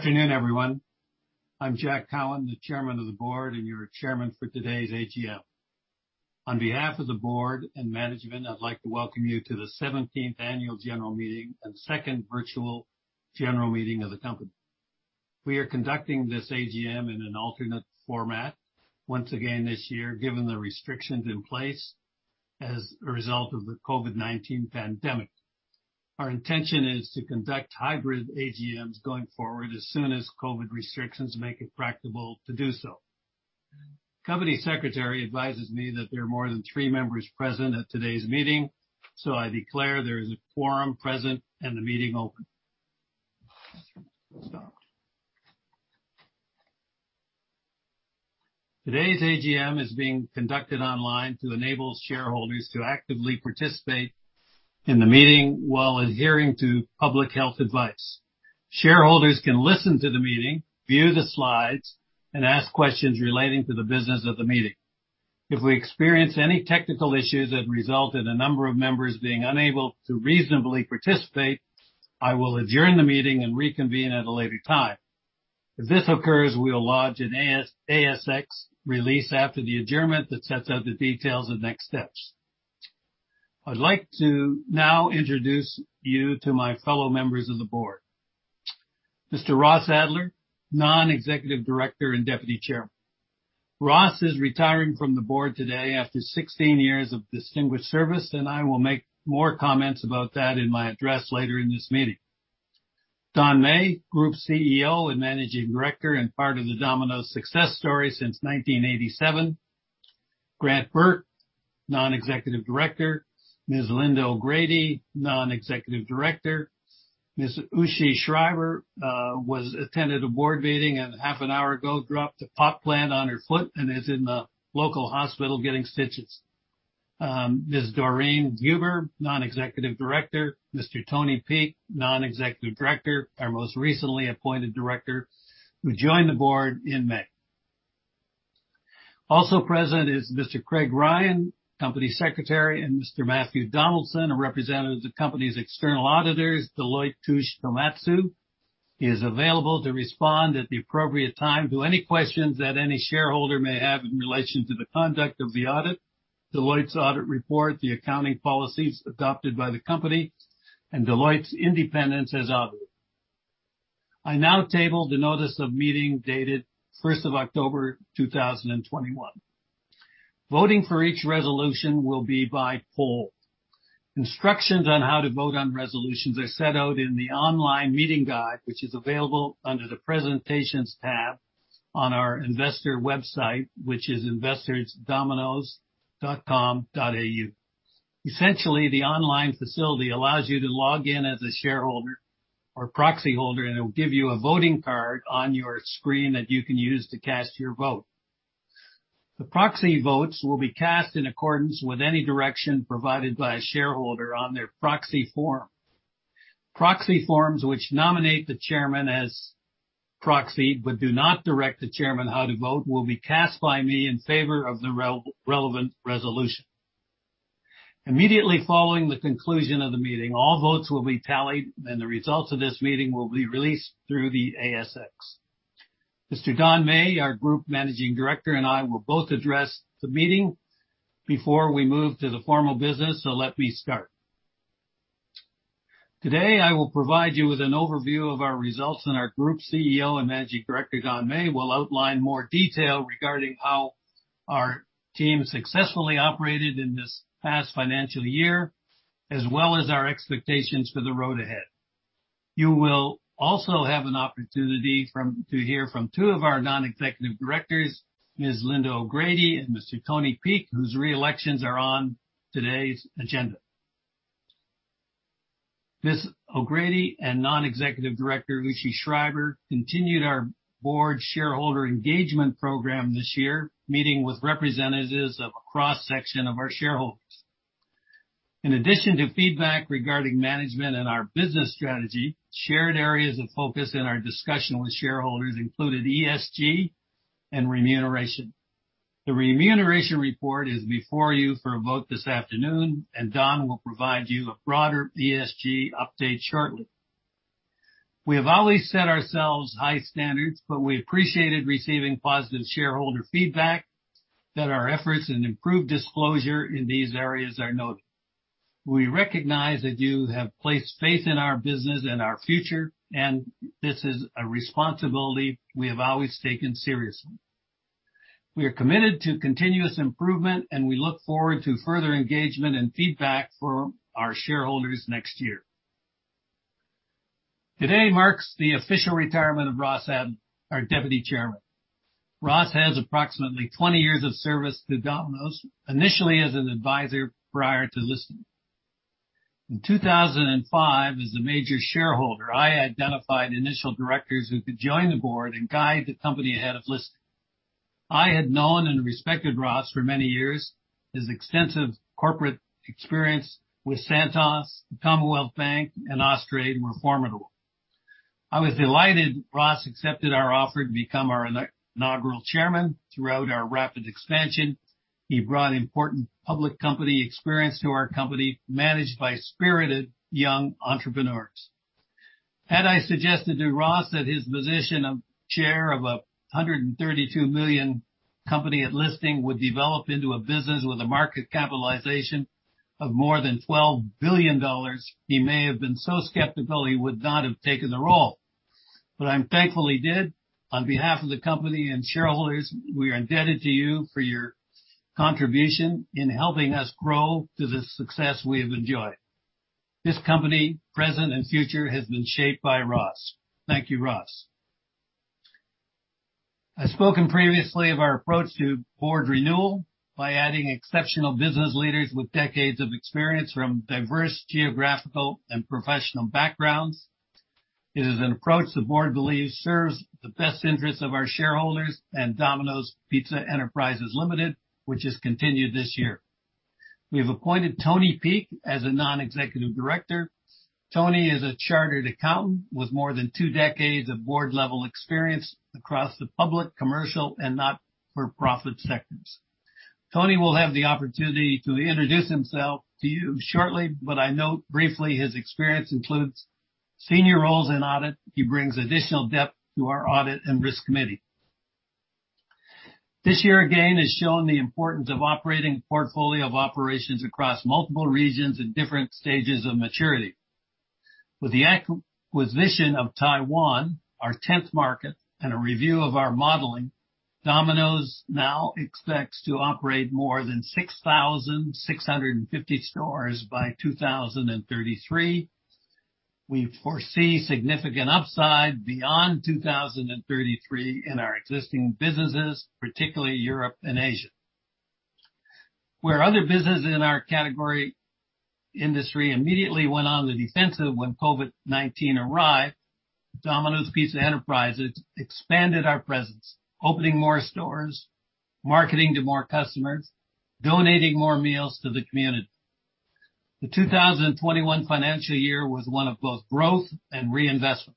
Good afternoon, everyone. I'm Jack Cowin, the Chairman of the Board, and your Chairman for today's AGM. On behalf of the Board and management, I'd like to welcome you to the 17th Annual General Meeting and second virtual general meeting of the company. We are conducting this AGM in an alternate format once again this year, given the restrictions in place as a result of the COVID-19 pandemic. Our intention is to conduct hybrid AGMs going forward as soon as COVID restrictions make it practicable to do so. Company Secretary advises me that there are more than three members present at today's meeting, so I declare there is a quorum present and the meeting open. Today's AGM is being conducted online to enable shareholders to actively participate in the meeting while adhering to public health advice. Shareholders can listen to the meeting, view the slides, and ask questions relating to the business of the meeting. If we experience any technical issues that result in a number of members being unable to reasonably participate, I will adjourn the meeting and reconvene at a later time. If this occurs, we'll lodge an ASX release after the adjournment that sets out the details of next steps. I'd like to now introduce you to my fellow members of the Board. Mr. Ross Adler, Non-Executive Director and Deputy Chairman. Ross is retiring from the Board today after 16 years of distinguished service, and I will make more comments about that in my address later in this meeting. Don Meij, Group CEO and Managing Director and part of the Domino's success story since 1987. Grant Bourke, Non-Executive Director. Ms. Lynda O'Grady, Non-Executive Director. Ms. Uschi Schreiber attended a board meeting and half an hour ago dropped a pot plant on her foot and is in the local hospital getting stitches. Ms. Doreen Huber, Non-Executive Director. Mr. Tony Peake, Non-Executive Director, our most recently appointed director who joined the Board in May. Also present is Mr. Craig Ryan, Company Secretary, and Mr. Matthew Donaldson, a representative of the company's external auditors, Deloitte Touche Tohmatsu. He is available to respond at the appropriate time to any questions that any shareholder may have in relation to the conduct of the audit, Deloitte's audit report, the accounting policies adopted by the company, and Deloitte's independence as auditor. I now table the notice of meeting dated 1st of October 2021. Voting for each resolution will be by poll. Instructions on how to vote on resolutions are set out in the online meeting guide, which is available under the Presentations tab on our investor website, which is investordominos.com.au. Essentially, the online facility allows you to log in as a shareholder or proxy holder, and it will give you a voting card on your screen that you can use to cast your vote. The proxy votes will be cast in accordance with any direction provided by a shareholder on their proxy form. Proxy forms which nominate the Chairman as proxy but do not direct the Chairman how to vote will be cast by me in favor of the relevant resolution. Immediately following the conclusion of the meeting, all votes will be tallied, and the results of this meeting will be released through the ASX. Mr.Don Meij, our Group Managing Director, and I will both address the meeting before we move to the formal business, so let me start. Today, I will provide you with an overview of our results, and our Group CEO and Managing Director, Don Meij, will outline more detail regarding how our team successfully operated in this past financial year, as well as our expectations for the road ahead. You will also have an opportunity to hear from two of our Non-Executive Directors, Ms. Lynda O'Grady and Mr. Tony Peake, whose reelections are on today's agenda. Ms. O'Grady and Non-Executive Director Uschi Schreiber continued our Board Shareholder Engagement Program this year, meeting with representatives of a cross-section of our shareholders. In addition to feedback regarding management and our business strategy, shared areas of focus in our discussion with shareholders included ESG and remuneration. The remuneration report is before you for a vote this afternoon, and Don will provide you a broader ESG update shortly. We have always set ourselves high standards, but we appreciated receiving positive shareholder feedback that our efforts and improved disclosure in these areas are noted. We recognize that you have placed faith in our business and our future, and this is a responsibility we have always taken seriously. We are committed to continuous improvement, and we look forward to further engagement and feedback from our shareholders next year. Today marks the official retirement of Ross Adler, our Deputy Chairman. Ross has approximately 20 years of service to Domino's, initially as an advisor prior to listing. In 2005, as a major shareholder, I identified initial directors who could join the Board and guide the company ahead of listing. I had known and respected Ross for many years. His extensive corporate experience with Santos, Commonwealth Bank, and Austrade were formidable. I was delighted Ross accepted our offer to become our inaugural Chairman. Throughout our rapid expansion, he brought important public company experience to our company, managed by spirited young entrepreneurs. Had I suggested to Ross that his position of Chair of a 132 million company at listing would develop into a business with a market capitalization of more than 12 billion dollars, he may have been so skeptical he would not have taken the role. But I'm thankful he did. On behalf of the company and shareholders, we are indebted to you for your contribution in helping us grow to the success we have enjoyed. This company, present and future, has been shaped by Ross. Thank you, Ross. I spoke previously of our approach to Board renewal by adding exceptional business leaders with decades of experience from diverse geographical and professional backgrounds. It is an approach the Board believes serves the best interests of our shareholders and Domino's Pizza Enterprises Limited, which is continued this year. We have appointed Tony Peake as a Non-Executive Director. Tony is a chartered accountant with more than two decades of board-level experience across the public, commercial, and not-for-profit sectors. Tony will have the opportunity to introduce himself to you shortly, but I note briefly his experience includes senior roles in audit. He brings additional depth to our audit and risk committee. This year, again, has shown the importance of operating a portfolio of operations across multiple regions at different stages of maturity. With the acquisition of Taiwan, our 10th market, and a review of our modeling, Domino's now expects to operate more than 6,650 stores by 2033. We foresee significant upside beyond 2033 in our existing businesses, particularly Europe and Asia. Where other businesses in our category industry immediately went on the defensive when COVID-19 arrived, Domino's Pizza Enterprises expanded our presence, opening more stores, marketing to more customers, donating more meals to the community. The 2021 financial year was one of both growth and reinvestment.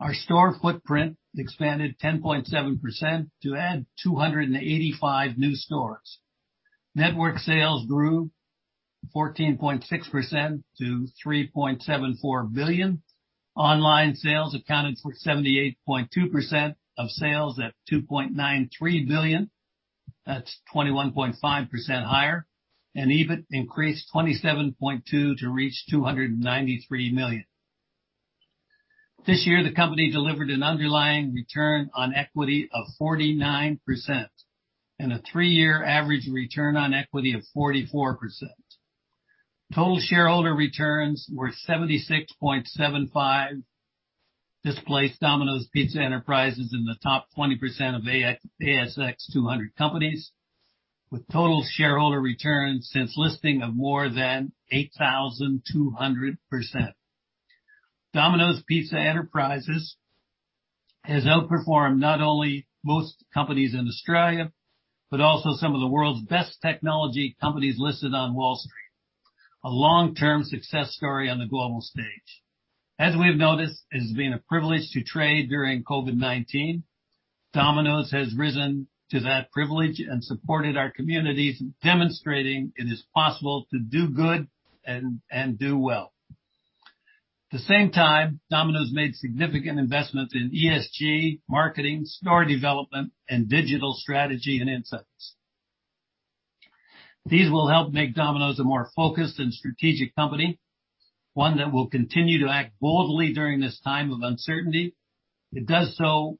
Our store footprint expanded 10.7% to add 285 new stores. Network sales grew 14.6% to 3.74 billion. Online sales accounted for 78.2% of sales at 2.93 billion. That's 21.5% higher, and EBIT increased 27.2% to reach 293 million. This year, the company delivered an underlying return on equity of 49% and a three-year average return on equity of 44%. Total shareholder returns were 76.75%, placing Domino's Pizza Enterprises in the top 20% of ASX 200 companies, with total shareholder returns since listing of more than 8,200%. Domino's Pizza Enterprises has outperformed not only most companies in Australia but also some of the world's best technology companies listed on Wall Street. A long-term success story on the global stage. As we've noticed, it has been a privilege to thrive during COVID-19. Domino's has risen to that privilege and supported our communities, demonstrating it is possible to do good and do well. At the same time, Domino's made significant investments in ESG, marketing, store development, and digital strategy and insights. These will help make Domino's a more focused and strategic company, one that will continue to act boldly during this time of uncertainty. It does so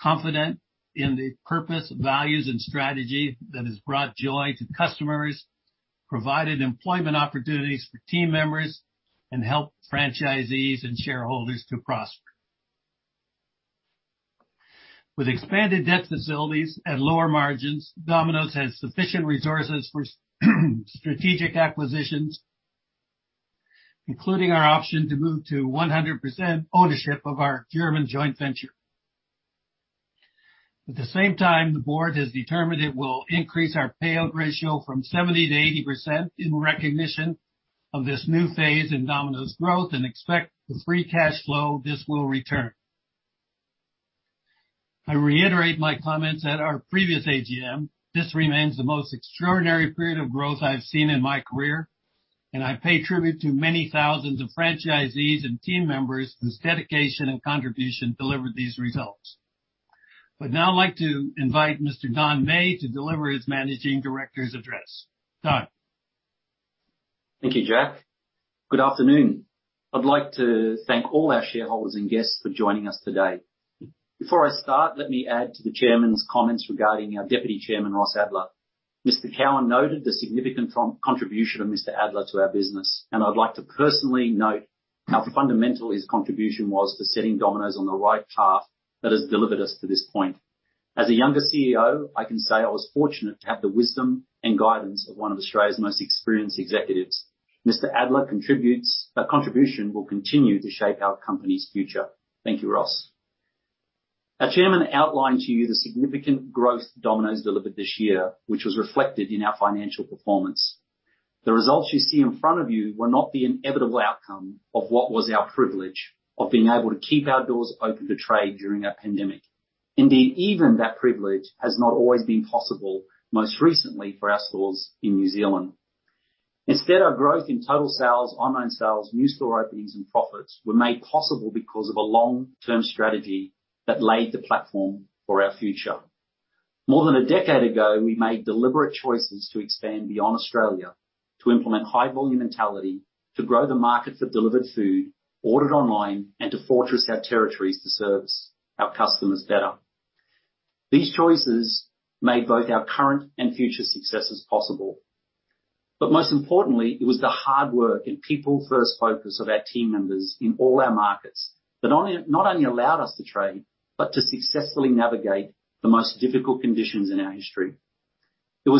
confident in the purpose, values, and strategy that has brought joy to customers, provided employment opportunities for team members, and helped franchisees and shareholders to prosper. With expanded debt facilities at lower margins, Domino's has sufficient resources for strategic acquisitions, including our option to move to 100% ownership of our German joint venture. At the same time, the Board has determined it will increase our payout ratio from 70%-80% in recognition of this new phase in Domino's growth and expect the free cash flow this will return. I reiterate my comments at our previous AGM. This remains the most extraordinary period of growth I've seen in my career, and I pay tribute to many thousands of franchisees and team members whose dedication and contribution delivered these results. I would now like to invite Mr. Don Meij to deliver his Managing Director's address. Don. Thank you, Jack. Good afternoon. I'd like to thank all our shareholders and guests for joining us today. Before I start, let me add to the Chairman's comments regarding our Deputy Chairman Ross Adler. Mr. Cowin noted the significant contribution of Mr. Adler to our business, and I'd like to personally note how fundamental his contribution was to setting Domino's on the right path that has delivered us to this point. As a younger CEO, I can say I was fortunate to have the wisdom and guidance of one of Australia's most experienced executives. Mr. Adler contributes a contribution that will continue to shape our company's future. Thank you, Ross. Our Chairman outlined to you the significant growth Domino's delivered this year, which was reflected in our financial performance. The results you see in front of you were not the inevitable outcome of what was our privilege of being able to keep our doors open to trade during our pandemic. Indeed, even that privilege has not always been possible most recently for our stores in New Zealand. Instead, our growth in total sales, online sales, new store openings, and profits were made possible because of a long-term strategy that laid the platform for our future. More than a decade ago, we made deliberate choices to expand beyond Australia, to implement high-volume mentality, to grow the market for delivered food ordered online, and to fortress our territories to serve our customers better. These choices made both our current and future successes possible. But most importantly, it was the hard work and people-first focus of our team members in all our markets that not only allowed us to trade but to successfully navigate the most difficult conditions in our history. It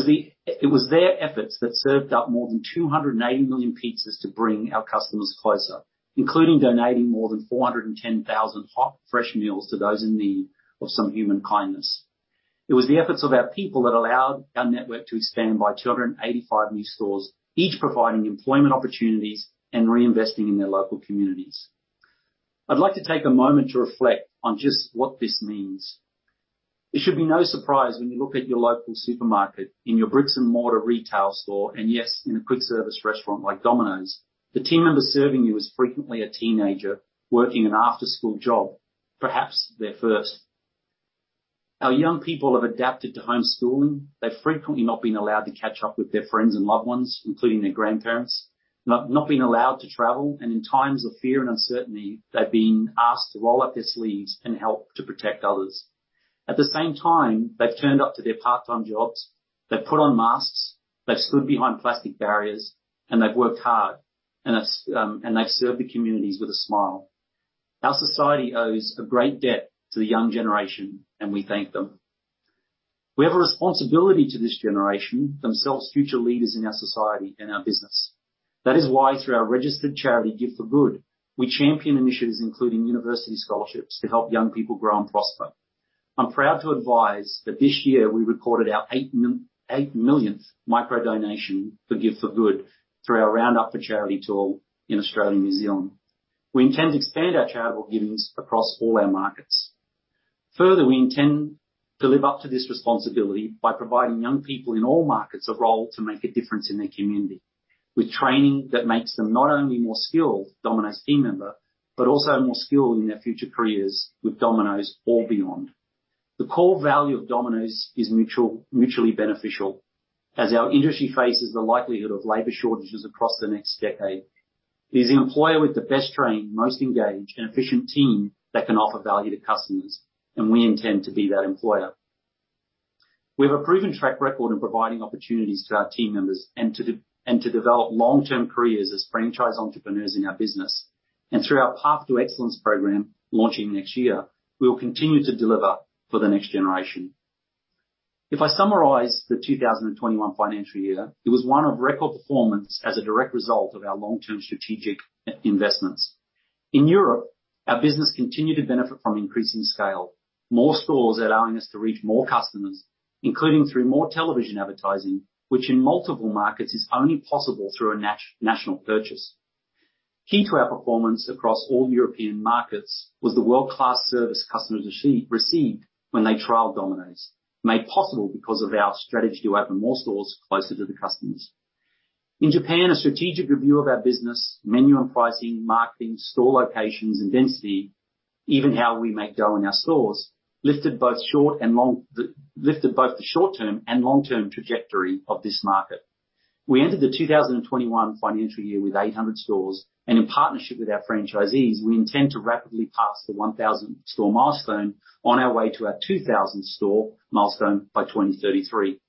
was their efforts that served up more than 280 million pizzas to bring our customers closer, including donating more than 410,000 hot, fresh meals to those in need of some human kindness. It was the efforts of our people that allowed our network to expand by 285 new stores, each providing employment opportunities and reinvesting in their local communities. I'd like to take a moment to reflect on just what this means. It should be no surprise when you look at your local supermarket, in your bricks-and-mortar retail store, and yes, in a quick-service restaurant like Domino's, the team member serving you is frequently a teenager working an after-school job, perhaps their first. Our young people have adapted to homeschooling. They've frequently not been allowed to catch up with their friends and loved ones, including their grandparents, not been allowed to travel, and in times of fear and uncertainty, they've been asked to roll up their sleeves and help to protect others. At the same time, they've turned up to their part-time jobs. They've put on masks. They've stood behind plastic barriers, and they've worked hard, and they've served the communities with a smile. Our society owes a great debt to the young generation, and we thank them. We have a responsibility to this generation, themselves future leaders in our society and our business. That is why, through our registered charity, Give for Good, we champion initiatives including university scholarships to help young people grow and prosper. I'm proud to advise that this year we recorded our eighth millionth micro-donation for Give for Good through our Roundup for Charity tour in Australia, New Zealand. We intend to expand our charitable givings across all our markets. Further, we intend to live up to this responsibility by providing young people in all markets a role to make a difference in their community with training that makes them not only more skilled, Domino's team member, but also more skilled in their future careers with Domino's or beyond. The core value of Domino's is mutually beneficial. As our industry faces the likelihood of labor shortages across the next decade, it is the employer with the best trained, most engaged, and efficient team that can offer value to customers, and we intend to be that employer. We have a proven track record in providing opportunities to our team members and to develop long-term careers as franchise entrepreneurs in our business, and through our Path to Excellence program launching next year, we will continue to deliver for the next generation. If I summarize the 2021 financial year, it was one of record performance as a direct result of our long-term strategic investments. In Europe, our business continued to benefit from increasing scale, more stores allowing us to reach more customers, including through more television advertising, which in multiple markets is only possible through a national purchase. Key to our performance across all European markets was the world-class service customers received when they trialed Domino's, made possible because of our strategy to open more stores closer to the customers. In Japan, a strategic review of our business, menu and pricing, marketing, store locations, and density, even how we make dough in our stores, lifted both the short-term and long-term trajectory of this market. We entered the 2021 financial year with 800 stores, and in partnership with our franchisees, we intend to rapidly pass the 1,000-store milestone on our way to our 2,000-store milestone by 2033.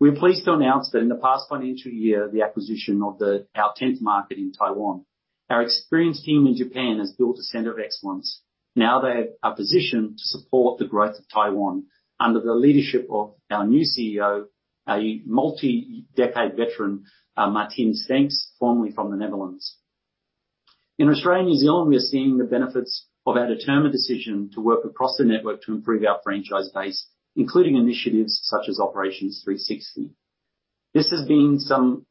We're pleased to announce that in the past financial year, the acquisition of our 10th market in Taiwan. Our experienced team in Japan has built a center of excellence. Now they are positioned to support the growth of Taiwan under the leadership of our new CEO, a multi-decade veteran, Martin Steenks, formerly from the Netherlands. In Australia, New Zealand, we are seeing the benefits of our determined decision to work across the network to improve our franchise base, including initiatives such as Operations 360. This has seen some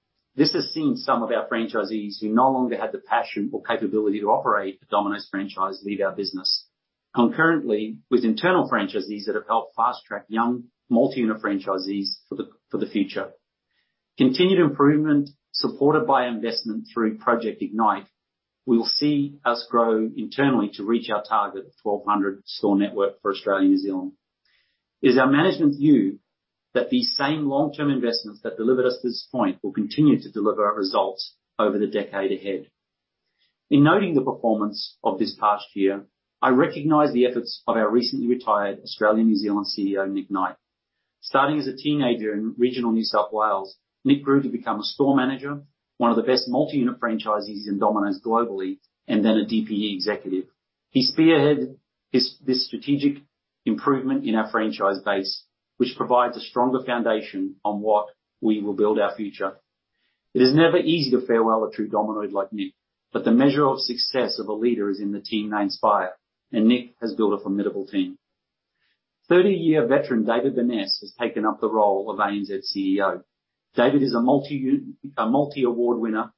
of our franchisees who no longer had the passion or capability to operate a Domino's franchise leave our business. Concurrently with internal franchisees that have helped fast-track young multi-unit franchisees for the future. Continued improvement supported by investment through Project Ignite, we will see us grow internally to reach our target of 1,200-store network for Australia, New Zealand. It is our management's view that these same long-term investments that delivered us to this point will continue to deliver results over the decade ahead. In noting the performance of this past year, I recognize the efforts of our recently retired Australia, New Zealand CEO, Nick Knight. Starting as a teenager in regional New South Wales, Nick grew to become a store manager, one of the best multi-unit franchisees in Domino's globally, and then a DPE executive. He spearheaded this strategic improvement in our franchise base, which provides a stronger foundation on what we will build our future. It is never easy to farewell a true Domino like Nick, but the measure of success of a leader is in the team they inspire, and Nick has built a formidable team. 30-year veteran David Burness has taken up the role of ANZ CEO. David is a multi-award winner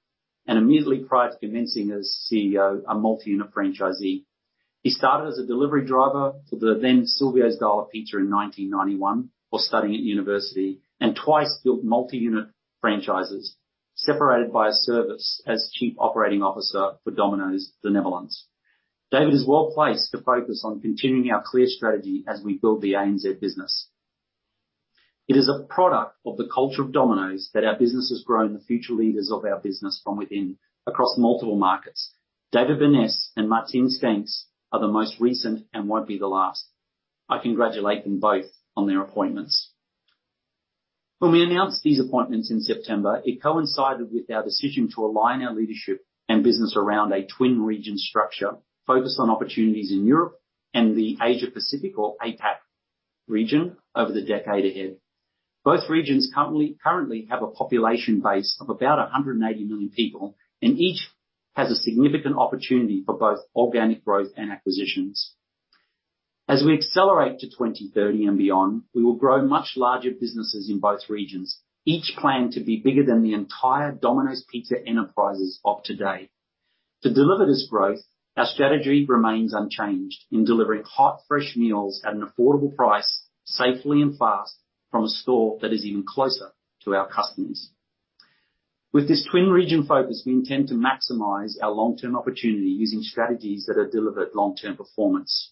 and immediately prior to commencing as CEO, a multi-unit franchisee. He started as a delivery driver for the then Silvio's Dial-A-Pizza in 1991 while studying at university and twice built multi-unit franchises, separated by a service as Chief Operating Officer for Domino's in the Netherlands. David is well placed to focus on continuing our clear strategy as we build the ANZ business. It is a product of the culture of Domino's that our business has grown the future leaders of our business from within across multiple markets. David Burness and Martin Steenks are the most recent and won't be the last. I congratulate them both on their appointments. When we announced these appointments in September, it coincided with our decision to align our leadership and business around a twin region structure focused on opportunities in Europe and the Asia-Pacific or APAC region over the decade ahead. Both regions currently have a population base of about 180 million people, and each has a significant opportunity for both organic growth and acquisitions. As we accelerate to 2030 and beyond, we will grow much larger businesses in both regions, each planned to be bigger than the entire Domino's Pizza Enterprises of today. To deliver this growth, our strategy remains unchanged in delivering hot, fresh meals at an affordable price, safely and fast from a store that is even closer to our customers. With this twin region focus, we intend to maximize our long-term opportunity using strategies that have delivered long-term performance.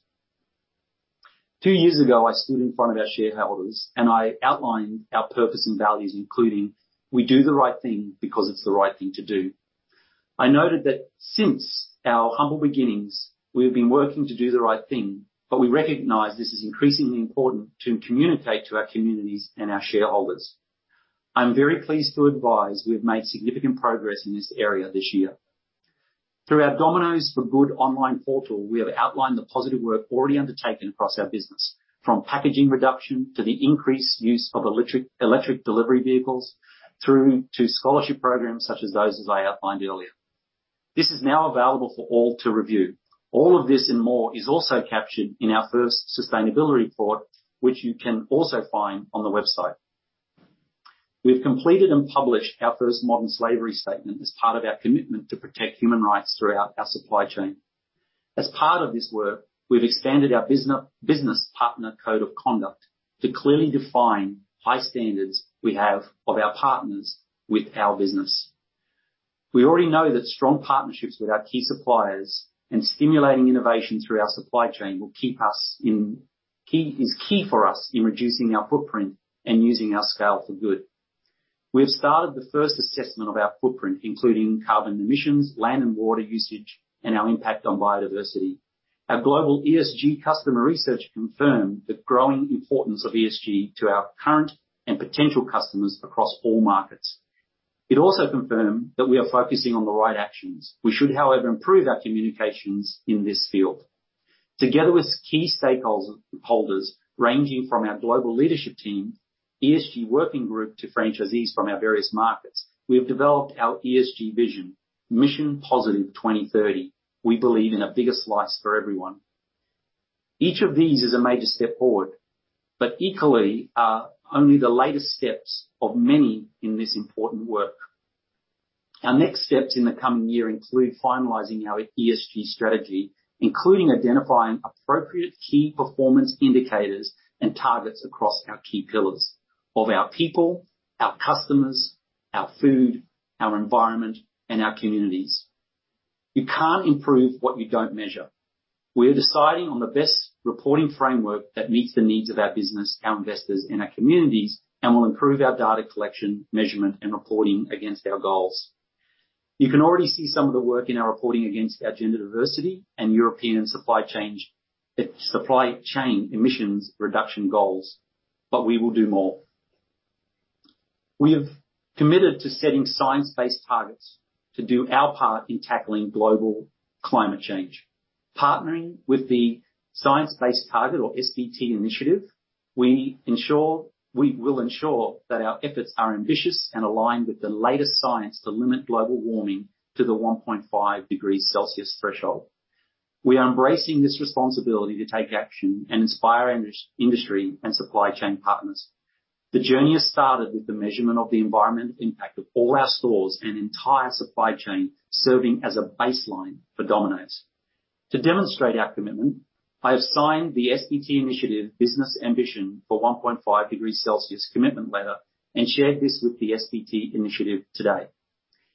Two years ago, I stood in front of our shareholders, and I outlined our purpose and values, including we do the right thing because it's the right thing to do. I noted that since our humble beginnings, we have been working to do the right thing, but we recognize this is increasingly important to communicate to our communities and our shareholders. I'm very pleased to advise we have made significant progress in this area this year. Through our Domino's For Good online portal, we have outlined the positive work already undertaken across our business, from packaging reduction to the increased use of electric delivery vehicles through to scholarship programs such as those, as I outlined earlier. This is now available for all to review. All of this and more is also captured in our first sustainability report, which you can also find on the website. We have completed and published our first Modern Slavery Statement as part of our commitment to protect human rights throughout our supply chain. As part of this work, we have expanded our business partner code of conduct to clearly define high standards we have of our partners with our business. We already know that strong partnerships with our key suppliers and stimulating innovation through our supply chain will keep us in key for us in reducing our footprint and using our scale for good. We have started the first assessment of our footprint, including carbon emissions, land and water usage, and our impact on biodiversity. Our global ESG customer research confirmed the growing importance of ESG to our current and potential customers across all markets. It also confirmed that we are focusing on the right actions. We should, however, improve our communications in this field. Together with key stakeholders ranging from our global leadership team, ESG working group, to franchisees from our various markets, we have developed our ESG vision, Mission Positive 2030. We believe in a bigger slice for everyone. Each of these is a major step forward, but equally are only the latest steps of many in this important work. Our next steps in the coming year include finalizing our ESG strategy, including identifying appropriate key performance indicators and targets across our key pillars of our people, our customers, our food, our environment, and our communities. You can't improve what you don't measure. We are deciding on the best reporting framework that meets the needs of our business, our investors, and our communities, and will improve our data collection, measurement, and reporting against our goals. You can already see some of the work in our reporting against our gender diversity and European supply chain emissions reduction goals, but we will do more. We have committed to setting science-based targets to do our part in tackling global climate change. Partnering with the Science-Based Targets initiative or SBT initiative, we will ensure that our efforts are ambitious and aligned with the latest science to limit global warming to the 1.5 degrees Celsius threshold. We are embracing this responsibility to take action and inspire industry and supply chain partners. The journey has started with the measurement of the environmental impact of all our stores and entire supply chain serving as a baseline for Domino's. To demonstrate our commitment, I have signed the SBT initiative Business Ambition for 1.5 degrees Celsius commitment letter and shared this with the SBT initiative today.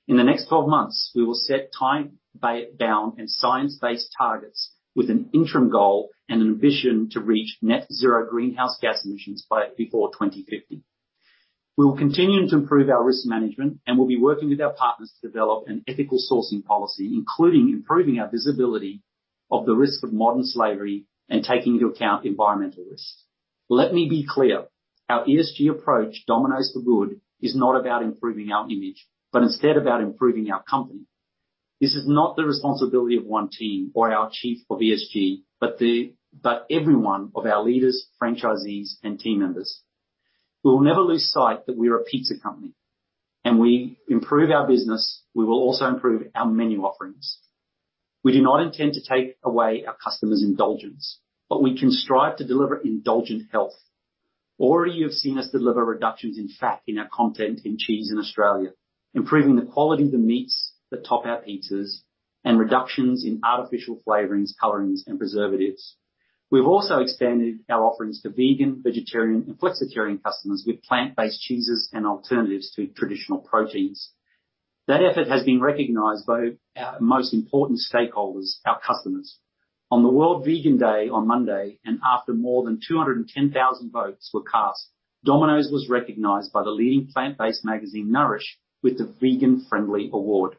In the next 12 months, we will set time-bound and science-based targets with an interim goal and an ambition to reach net zero greenhouse gas emissions before 2050. We will continue to improve our risk management, and we'll be working with our partners to develop an ethical sourcing policy, including improving our visibility of the risk of modern slavery and taking into account environmental risks. Let me be clear. Our ESG approach, Domino's For Good, is not about improving our image, but instead about improving our company. This is not the responsibility of one team or our chief of ESG, but everyone of our leaders, franchisees, and team members. We will never lose sight that we are a pizza company, and we improve our business, we will also improve our menu offerings. We do not intend to take away our customers' indulgence, but we can strive to deliver indulgent health. Already, you have seen us deliver reductions in fat in our content in cheese in Australia, improving the quality of the meats that top our pizzas, and reductions in artificial flavorings, colorings, and preservatives. We've also expanded our offerings to vegan, vegetarian, and flexitarian customers with plant-based cheeses and alternatives to traditional proteins. That effort has been recognized by our most important stakeholders, our customers. On the World Vegan Day on Monday, and after more than 210,000 votes were cast, Domino's was recognized by the leading plant-based magazine Nourish with the Vegan Friendly Award.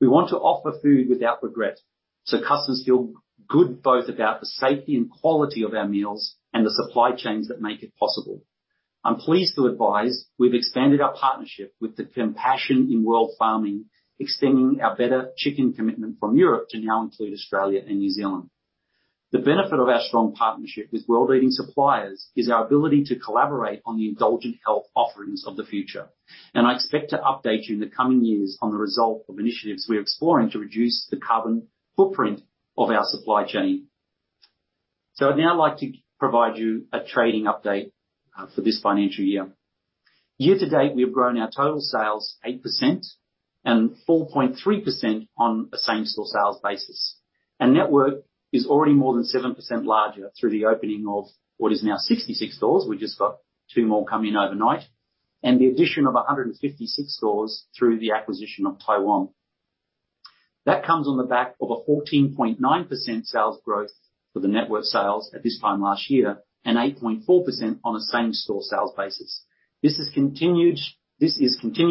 We want to offer food without regret so customers feel good both about the safety and quality of our meals and the supply chains that make it possible. I'm pleased to advise we've expanded our partnership with the Compassion in World Farming, extending our Better Chicken commitment from Europe to now include Australia and New Zealand. The benefit of our strong partnership with world-leading suppliers is our ability to collaborate on the indulgent health offerings of the future, and I expect to update you in the coming years on the result of initiatives we're exploring to reduce the carbon footprint of our supply chain, so I'd now like to provide you a trading update for this financial year. Year to date, we have grown our total sales 8% and 4.3% on a same-store sales basis. Our network is already more than 7% larger through the opening of what is now 66 stores. We just got two more coming in overnight, and the addition of 156 stores through the acquisition of Taiwan. That comes on the back of a 14.9% sales growth for the network sales at this time last year and 8.4% on a same-store sales basis. This is continued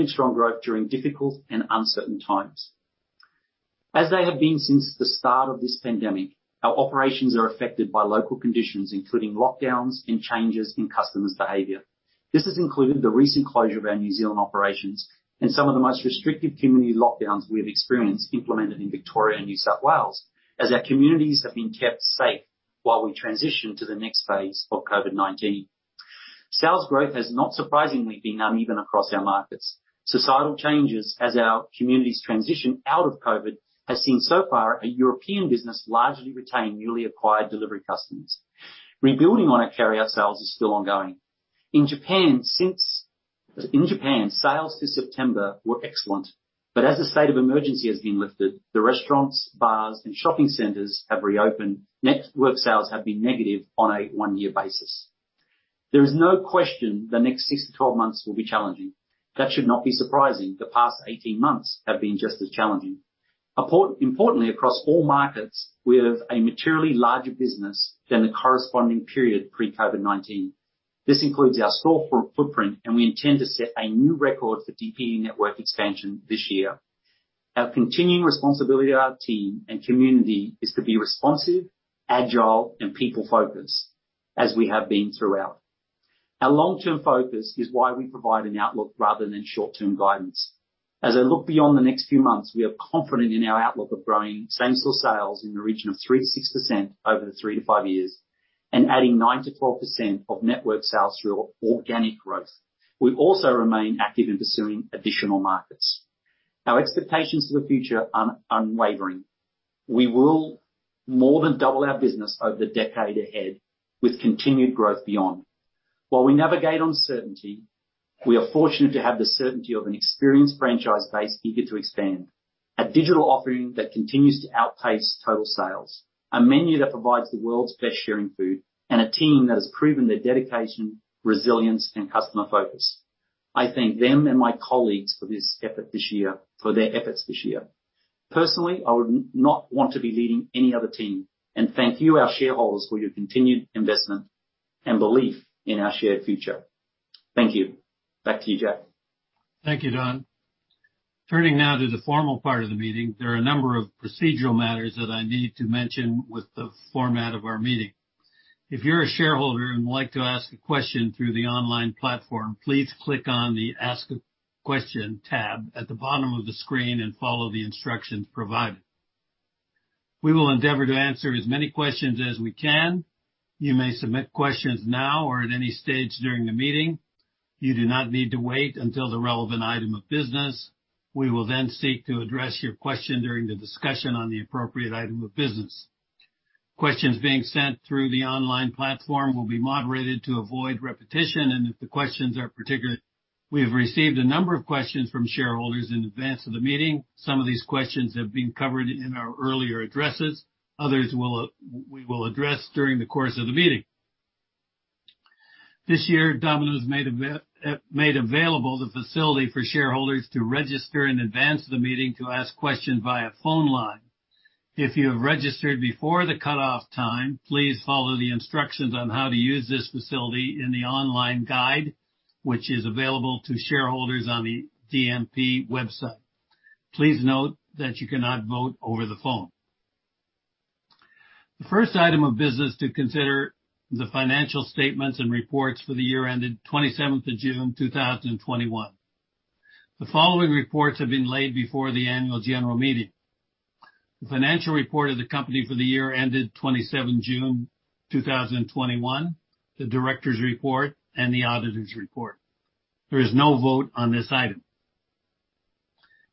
strong growth during difficult and uncertain times. As they have been since the start of this pandemic, our operations are affected by local conditions, including lockdowns and changes in customers' behavior. This has included the recent closure of our New Zealand operations and some of the most restrictive community lockdowns we have experienced implemented in Victoria and New South Wales as our communities have been kept safe while we transition to the next phase of COVID-19. Sales growth has not surprisingly been uneven across our markets. Societal changes as our communities transition out of COVID have seen so far a European business largely retain newly acquired delivery customers. Rebuilding on our carry-out sales is still ongoing. In Japan, sales to September were excellent, but as the state of emergency has been lifted, the restaurants, bars, and shopping centers have reopened. Network sales have been negative on a one-year basis. There is no question the next six to 12 months will be challenging. That should not be surprising. The past 18 months have been just as challenging. Importantly, across all markets, we have a materially larger business than the corresponding period pre-COVID-19. This includes our store footprint, and we intend to set a new record for DPE network expansion this year. Our continuing responsibility to our team and community is to be responsive, agile, and people-focused as we have been throughout. Our long-term focus is why we provide an outlook rather than short-term guidance. As I look beyond the next few months, we are confident in our outlook of growing same-store sales in the region of 3%-6% over the three to five years and adding 9%-12% of network sales through organic growth. We also remain active in pursuing additional markets. Our expectations for the future are unwavering. We will more than double our business over the decade ahead with continued growth beyonWhile we navigate uncertainty, we are fortunate to have the certainty of an experienced franchise base eager to expand, a digital offering that continues to outpace total sales, a menu that provides the world's best sharing food, and a team that has proven their dedication, resilience, and customer focus. I thank them and my colleagues for their efforts this year. Personally, I would not want to be leading any other team, and thank you, our shareholders, for your continued investment and belief in our shared future. Thank you. Back to you, Jack. Thank you, Don. Turning now to the formal part of the meeting, there are a number of procedural matters that I need to mention with the format of our meeting. If you're a shareholder and would like to ask a question through the online platform, please click on the Ask a Question tab at the bottom of the screen and follow the instructions provided. We will endeavor to answer as many questions as we can. You may submit questions now or at any stage during the meeting. You do not need to wait until the relevant item of business. We will then seek to address your question during the discussion on the appropriate item of business. Questions being sent through the online platform will be moderated to avoid repetition, and if the questions are particular. We have received a number of questions from shareholders in advance of the meeting. Some of these questions have been covered in our earlier addresses. Others we will address during the course of the meeting. This year, Domino's made available the facility for shareholders to register in advance of the meeting to ask questions via phone line. If you have registered before the cutoff time, please follow the instructions on how to use this facility in the online guide, which is available to shareholders on the DMP website. Please note that you cannot vote over the phone. The first item of business to consider is the financial statements and reports for the year ended 27th of June, 2021. The following reports have been laid before the annual general meeting: the financial report of the company for the year ended 27th June 2021, the director's report, and the auditor's report. There is no vote on this item.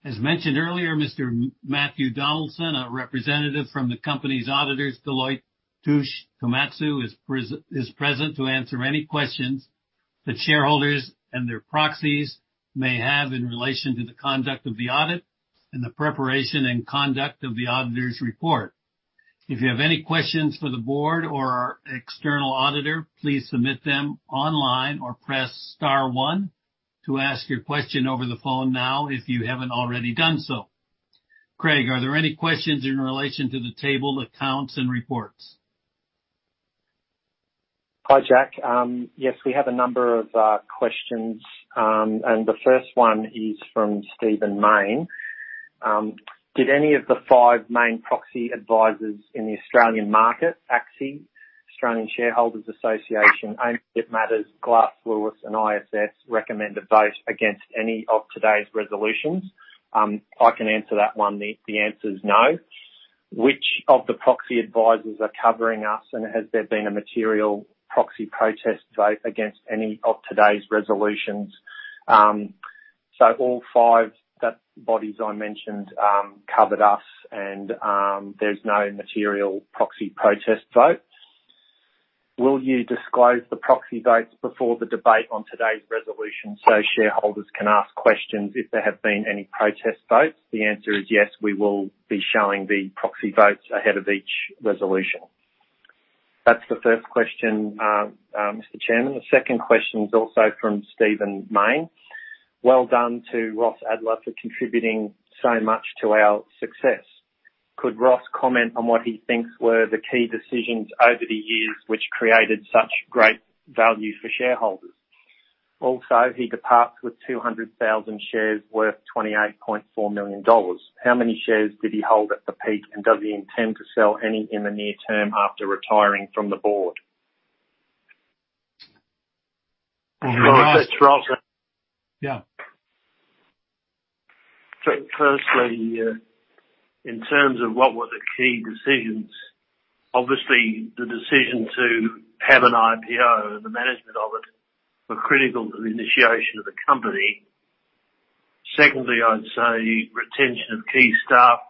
As mentioned earlier, Mr. Matthew Donaldson, a representative from the company's auditors, Deloitte Touche Tohmatsu, is present to answer any questions that shareholders and their proxies may have in relation to the conduct of the audit and the preparation and conduct of the auditor's report. If you have any questions for the board or our external auditor, please submit them online or press star one to ask your question over the phone now if you haven't already done so. Craig, are there any questions in relation to the tabled accounts and reports? Hi, Jack. Yes, we have a number of questions, and the first one is from Stephen Mayne. Did any of the five main proxy advisors in the Australian market, ACSI, Australian Shareholders Association, Ownership Matters, Glass Lewis, and ISS recommend a vote against any of today's resolutions? I can answer that one. The answer is no. Which of the proxy advisors are covering us, and has there been a material proxy protest vote against any of today's resolutions? So all five bodies I mentioned covered us, and there's no material proxy protest vote. Will you disclose the proxy votes before the debate on today's resolution so shareholders can ask questions if there have been any protest votes? The answer is yes. We will be showing the proxy votes ahead of each resolution. That's the first question, Mr. Chairman. The second question is also from Stephen Mayne. Well done to Ross Adler for contributing so much to our success. Could Ross comment on what he thinks were the key decisions over the years which created such great value for shareholders? Also, he departs with 200,000 shares worth 28.4 million dollars. How many shares did he hold at the peak, and does he intend to sell any in the near term after retiring from the board? Yeah. Firstly, in terms of what were the key decisions, obviously the decision to have an IPO and the management of it were critical to the initiation of the company. Secondly, I'd say retention of key staff,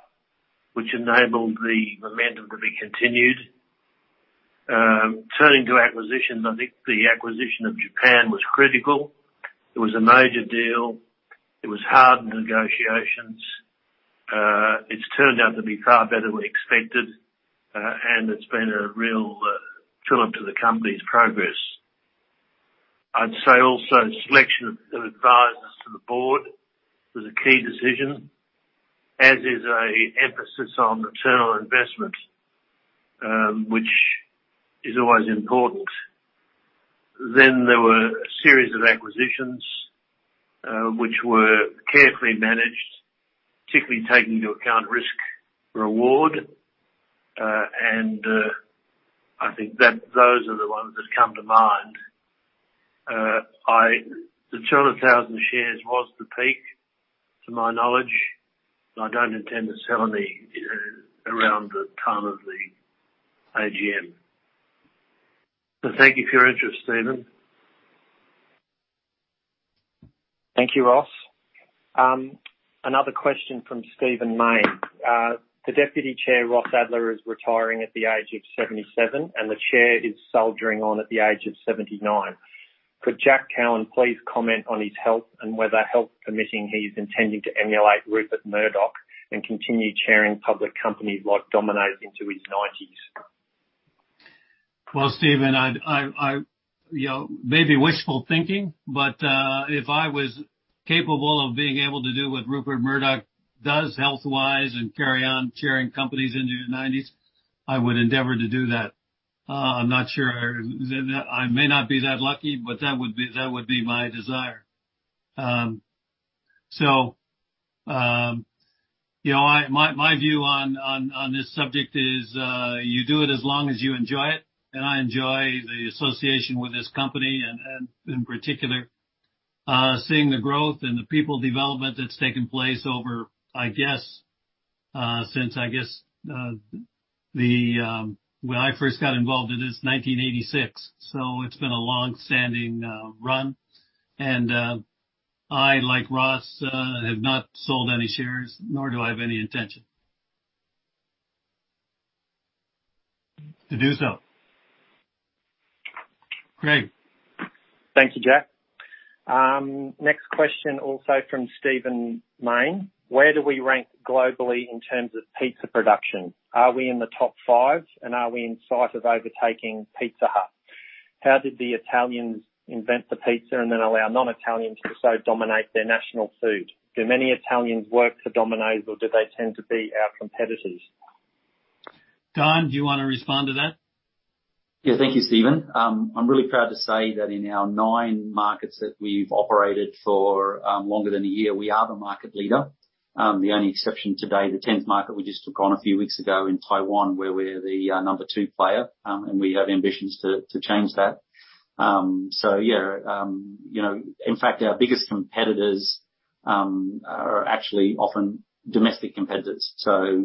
which enabled the momentum to be continued. Turning to acquisitions, I think the acquisition of Japan was critical. It was a major deal. It was hard in the negotiations. It's turned out to be far better than we expected, and it's been a real trip to the company's progress. I'd say also selection of advisors to the board was a key decision, as is an emphasis on return on investment, which is always important. Then there were a series of acquisitions which were carefully managed, particularly taking into account risk-reward, and I think those are the ones that come to mind. The 200,000 shares was the peak, to my knowledge, and I don't intend to sell any around the time of the AGM. So thank you for your interest, Stephen. Thank you, Ross. Another question from Stephen Mayne. The Deputy Chair, Ross Adler, is retiring at the age of 77, and the Chair is soldiering on at the age of 79. Could Jack Cowen please comment on his health and whether health permitting he is intending to emulate Rupert Murdoch and continue chairing public companies like Domino's into his 90s? Stephen, maybe wishful thinking, but if I was capable of being able to do what Rupert Murdoch does health-wise and carry on chairing companies into your 90s, I would endeavor to do that. I'm not sure I may not be that lucky, but that would be my desire. So my view on this subject is you do it as long as you enjoy it, and I enjoy the association with this company and in particular seeing the growth and the people development that's taken place over, I guess, since I guess when I first got involved in this 1986. So it's been a long-standing run, and I, like Ross, have not sold any shares, nor do I have any intention to do so. Craig. Thank you, Jack. Next question also from Stephen Mayne. Where do we rank globally in terms of pizza production? Are we in the top five, and are we in sight of overtaking Pizza Hut? How did the Italians invent the pizza and then allow non-Italians to so dominate their national food? Do many Italians work for Domino's, or do they tend to be our competitors? Don, do you want to respond to that? Yeah, thank you, Steven. I'm really proud to say that in our nine markets that we've operated for longer than a year, we are the market leader. The only exception today, the 10th market we just took on a few weeks ago in Taiwan, where we're the number two player, and we have ambitions to change that. So yeah, in fact, our biggest competitors are actually often domestic competitors, so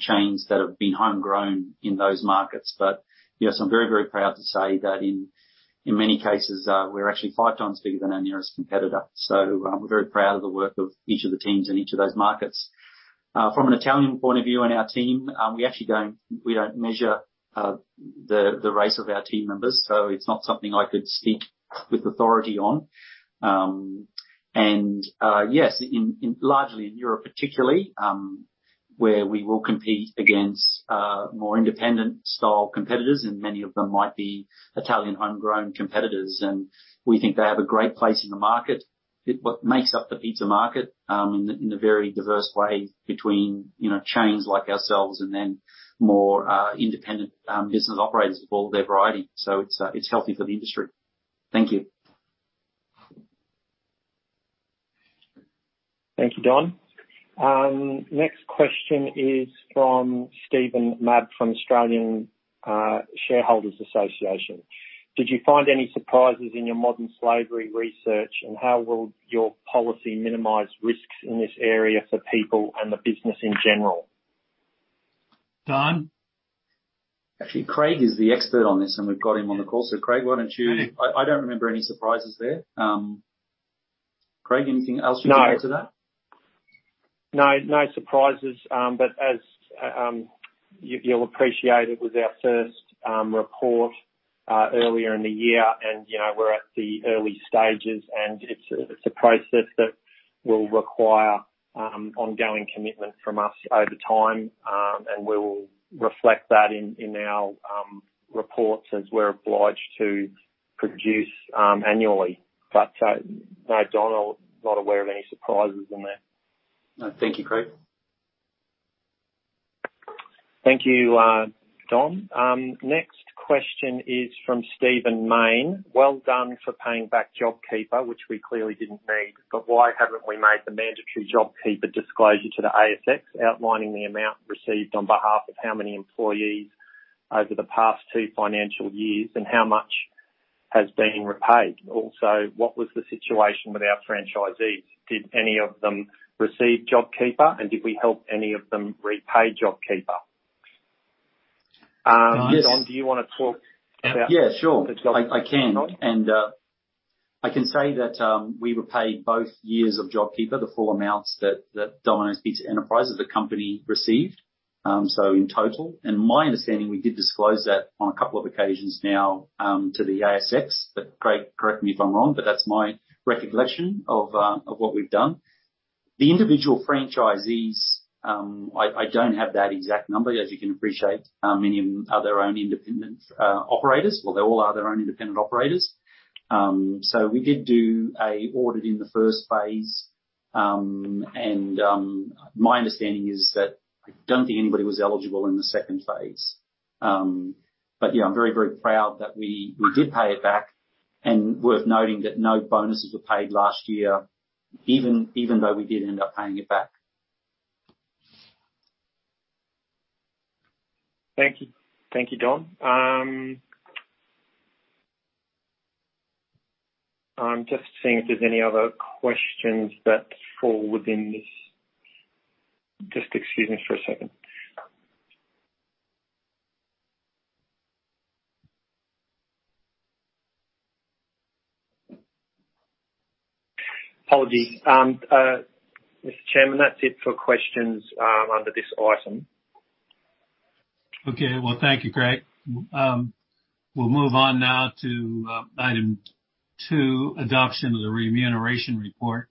chains that have been homegrown in those markets. But yes, I'm very, very proud to say that in many cases, we're actually five times bigger than our nearest competitor. So we're very proud of the work of each of the teams in each of those markets. From an Italian point of view and our team, we actually don't measure the race of our team members, so it's not something I could speak with authority on. And yes, largely in Europe particularly, where we will compete against more independent-style competitors, and many of them might be Italian homegrown competitors, and we think they have a great place in the market. It makes up the pizza market in a very diverse way between chains like ourselves and then more independent business operators of all their variety. So it's healthy for the industry. Thank you. Thank you, Don. Next question is from Stephen Mabb from Australian Shareholders Association. Did you find any surprises in your modern slavery research, and how will your policy minimize risks in this area for people and the business in general? Don? Actually, Craig is the expert on this, and we've got him on the call. So Craig, why don't you? I don't remember any surprises there. Craig, anything else you can add to that? No. No surprises, but as you'll appreciate, it was our first report earlier in the year, and we're at the early stages, and it's a process that will require ongoing commitment from us over time, and we will reflect that in our reports as we're obliged to produce annually. But no, Don, I'm not aware of any surprises in there. Thank you, Craig. Thank you, Don. Next question is from Stephen Mayne. Well done for paying back JobKeeper, which we clearly didn't need, but why haven't we made the mandatory JobKeeper disclosure to the ASX outlining the amount received on behalf of how many employees over the past two financial years and how much has been repaid? Also, what was the situation with our franchisees? Did any of them receive JobKeeper, and did we help any of them repay JobKeeper? Don, do you want to talk about? Yeah, sure. I can, and I can say that we were paid both years of JobKeeper, the full amounts that Domino's Pizza Enterprises, the company, received, so in total, and my understanding, we did disclose that on a couple of occasions now to the ASX, but Craig, correct me if I'm wrong, but that's my recollection of what we've done. The individual franchisees, I don't have that exact number, as you can appreciate. Many of them are their own independent operators. Well, they all are their own independent operators. So we did do an audit in the first phase, and my understanding is that I don't think anybody was eligible in the second phase. But yeah, I'm very, very proud that we did pay it back. And worth noting that no bonuses were paid last year, even though we did end up paying it back. Thank you. Thank you, Don. I'm just seeing if there's any other questions that fall within this. Just excuse me for a second. Apologies. Mr. Chairman, that's it for questions under this item. Okay. Well, thank you, Craig. We'll move on now to item two, adoption of the remuneration report.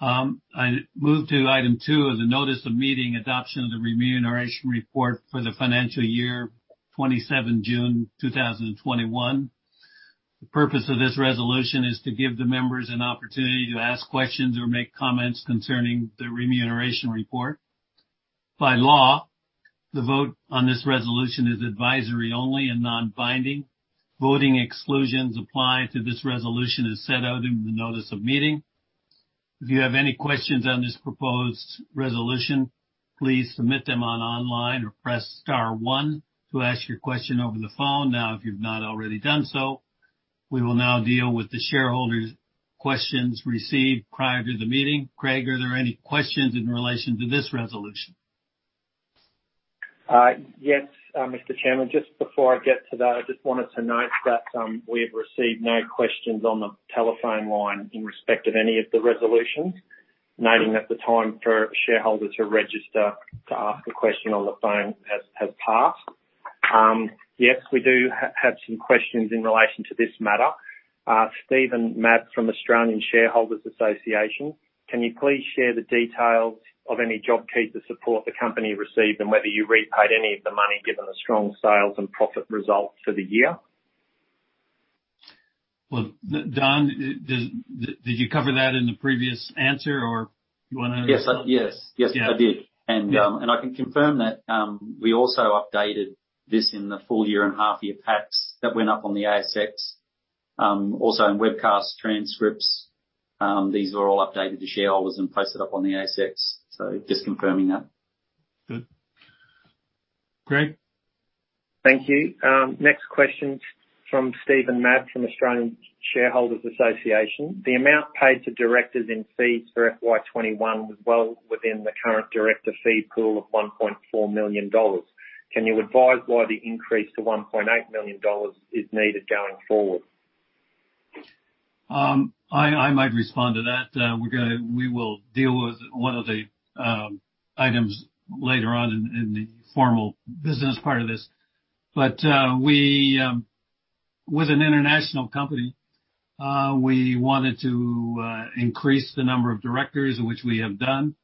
I moved to item two of the notice of meeting, adoption of the remuneration report for the financial year, 27 June 2021. The purpose of this resolution is to give the members an opportunity to ask questions or make comments concerning the remuneration report. By law, the vote on this resolution is advisory only and non-binding. Voting exclusions apply to this resolution as set out in the notice of meeting. If you have any questions on this proposed resolution, please submit them online or press star one to ask your question over the phone now if you've not already done so. We will now deal with the shareholders' questions received prior to the meeting. Craig, are there any questions in relation to this resolution? Yes, Mr. Chairman. Just before I get to that, I just wanted to note that we've received no questions on the telephone line in respect of any of the resolutions, noting that the time for shareholders to register to ask a question on the phone has passed. Yes, we do have some questions in relation to this matter. Stephen Mabb from Australian Shareholders Association, can you please share the details of any JobKeeper support the company received and whether you repaid any of the money given the strong sales and profit results for the year? Well, Don, did you cover that in the previous answer, or do you want to? Yes. Yes. Yes, I did. And I can confirm that we also updated this in the full year and half-year packs that went up on the ASX. Also, in webcast transcripts, these were all updated to shareholders and posted up on the ASX. So just confirming that. Good. Craig? Thank you. Next question from Stephen Mabb from Australian Shareholders Association. The amount paid to directors in fees for FY21 was well within the current director fee pool of 1.4 million. Can you advise why the increase to 1.8 million dollars is needed going forward? I might respond to that. We will deal with one of the items later on in the formal business part of this. With an international company, we wanted to increase the number of directors, which we have done.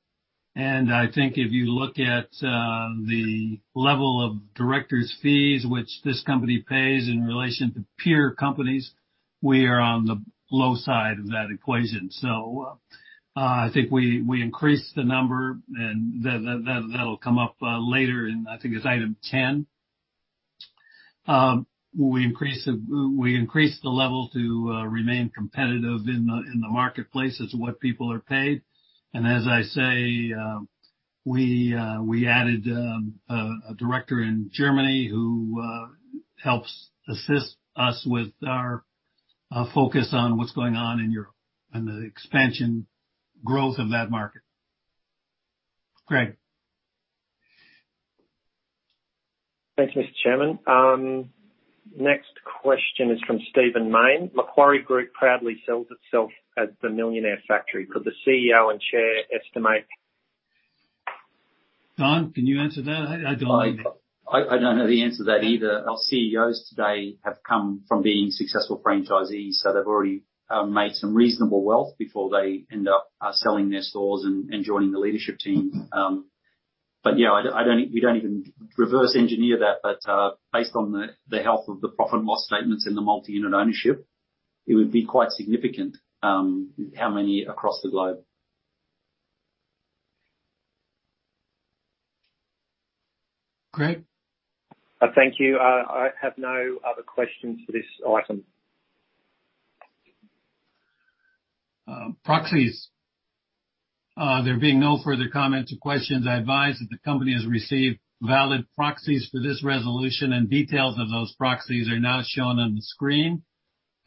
I think if you look at the level of directors' fees, which this company pays in relation to peer companies, we are on the low side of that equation. We increased the number, and that'll come up later in, I think, it's item 10. We increased the level to remain competitive in the marketplace as to what people are paid. As I say, we added a director in Germany who helps assist us with our focus on what's going on in Europe and the expansion growth of that market. Craig. Thank you, Mr.Chairman. Next question is from Stephen Mayne. Macquarie Group proudly sells itself as the millionaire factory. Could the CEO and Chair estimate? Don, can you answer that? I don't know. I don't know the answer to that either. Our CEOs today have come from being successful franchisees, so they've already made some reasonable wealth before they end up selling their stores and joining the leadership team. But yeah, we don't even reverse engineer that, but based on the health of the profit and loss statements and the multi-unit ownership, it would be quite significant how many across the globe. Craig? Thank you. I have no other questions for this item. Proxies. There being no further comments or questions, I advise that the company has received valid proxies for this resolution, and details of those proxies are now shown on the screen.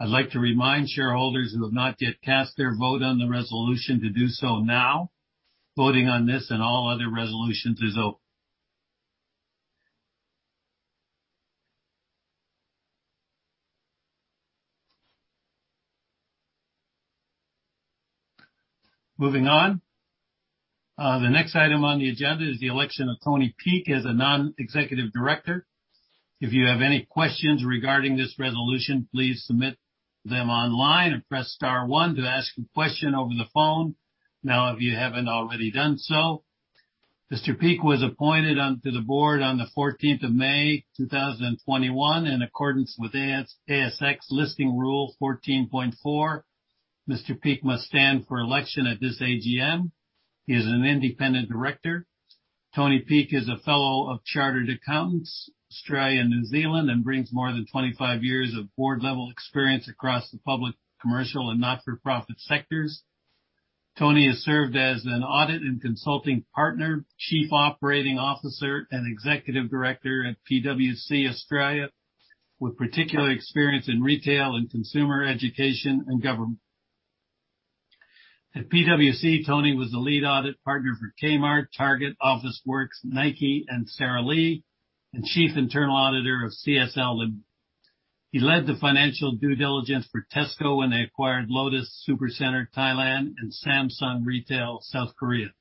I'd like to remind shareholders who have not yet cast their vote on the resolution to do so now. Voting on this and all other resolutions is open. Moving on. The next item on the agenda is the election of Tony Peake as a non-executive director. If you have any questions regarding this resolution, please submit them online or press star one to ask a question over the phone now if you haven't already done so. Mr. Peake was appointed onto the board on the 14th of May, 2021, in accordance with ASX Listing Rule 14.4. Mr. Peake must stand for election at this AGM. He is an independent director. Tony Peake is a fellow of Chartered Accountants, Australia, and New Zealand, and brings more than 25 years of board-level experience across the public, commercial, and not-for-profit sectors. Tony has served as an audit and consulting partner, chief operating officer, and executive director at PwC Australia, with particular experience in retail and consumer education and government. At PwC, Tony was the lead audit partner for Kmart, Target, Officeworks, Nike, and Sara Lee, and chief internal auditor of CSL Limited. He led the financial due diligence for Tesco when they acquired Lotus Supercenter Thailand and Samsung Retail South Korea.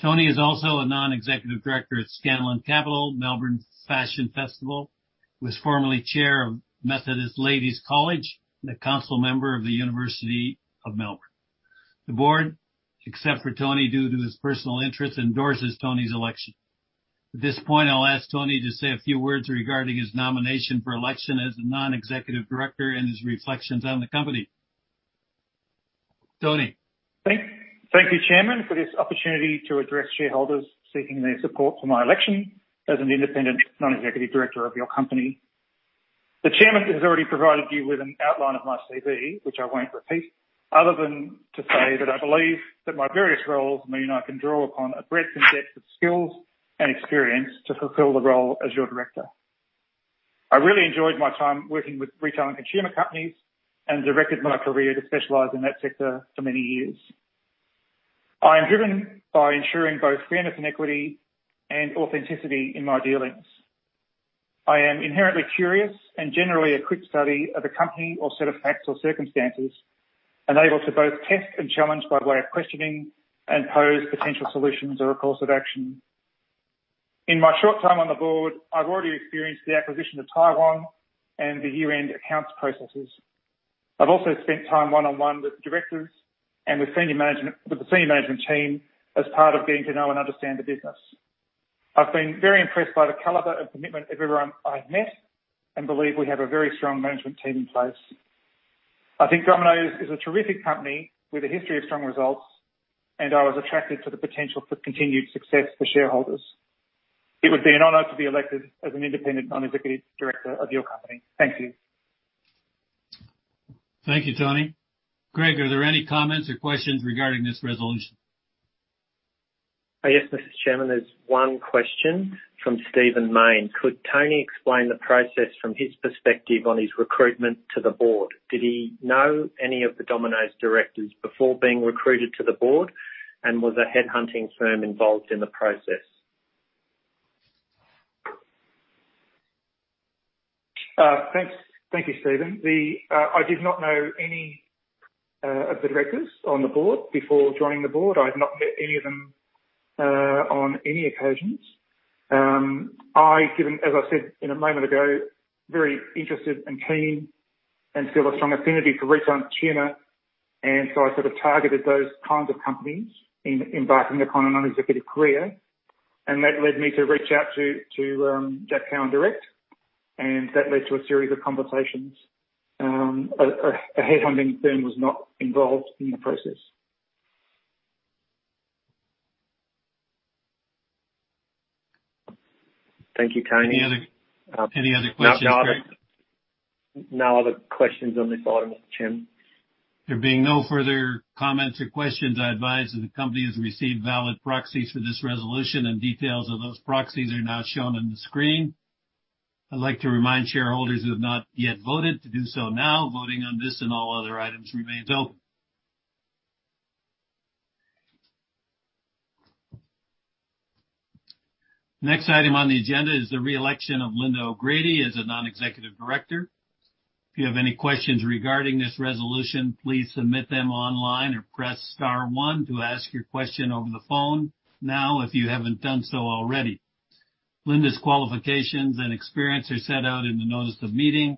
Tony is also a non-executive director at Scanlon Capital, Melbourne Fashion Festival, was formerly chair of Methodist Ladies' College, and a council member of the University of Melbourne. The board, except for Tony due to his personal interests, endorses Tony's election. At this point, I'll ask Tony to say a few words regarding his nomination for election as a non-executive director and his reflections on the company. Tony. Thank you, Chairman, for this opportunity to address shareholders seeking their support for my election as an independent non-executive director of your company. The Chairman has already provided you with an outline of my CV, which I won't repeat, other than to say that I believe that my various roles mean I can draw upon a breadth and depth of skills and experience to fulfill the role as your director. I really enjoyed my time working with retail and consumer companies and directed my career to specialize in that sector for many years. I am driven by ensuring both fairness and equity and authenticity in my dealings. I am inherently curious and generally a quick study of a company or set of facts or circumstances and able to both test and challenge by way of questioning and pose potential solutions or a course of action. In my short time on the board, I've already experienced the acquisition of Taiwan and the year-end accounts processes. I've also spent time one-on-one with the directors and with the senior management team as part of getting to know and understand the business. I've been very impressed by the caliber and commitment of everyone I've met and believe we have a very strong management team in place. I think Domino's is a terrific company with a history of strong results, and I was attracted to the potential for continued success for shareholders. It would be an honor to be elected as an independent non-executive director of your company. Thank you. Thank you, Tony. Craig, are there any comments or questions regarding this resolution? Yes, Mr. Chairman, there's one question from Stephen Mayne. Could Tony explain the process from his perspective on his recruitment to the board? Did he know any of the Domino's directors before being recruited to the board, and was a headhunting firm involved in the process Thank you, Stephen. I did not know any of the directors on the board before joining the board. I have not met any of them on any occasions. I, as I said a moment ago, was very interested and keen and feel a strong affinity for retail and consumer, and so I sort of targeted those kinds of companies in embarking upon an executive career. And that led me to reach out to Jack Cowin directly, and that led to a series of conversations. A headhunting firm was not involved in the process. Thank you, Tony. Any other questions? No other questions on this item, Mr. Chairman. There being no further comments or questions, I advise that the company has received valid proxies for this resolution, and details of those proxies are now shown on the screen. I'd like to remind shareholders who have not yet voted to do so now. Voting on this and all other items remains open. Next item on the agenda is the reelection of Lynda O'Grady as a non-executive director. If you have any questions regarding this resolution, please submit them online or press star one to ask your question over the phone now if you haven't done so already. Linda's qualifications and experience are set out in the notice of meeting.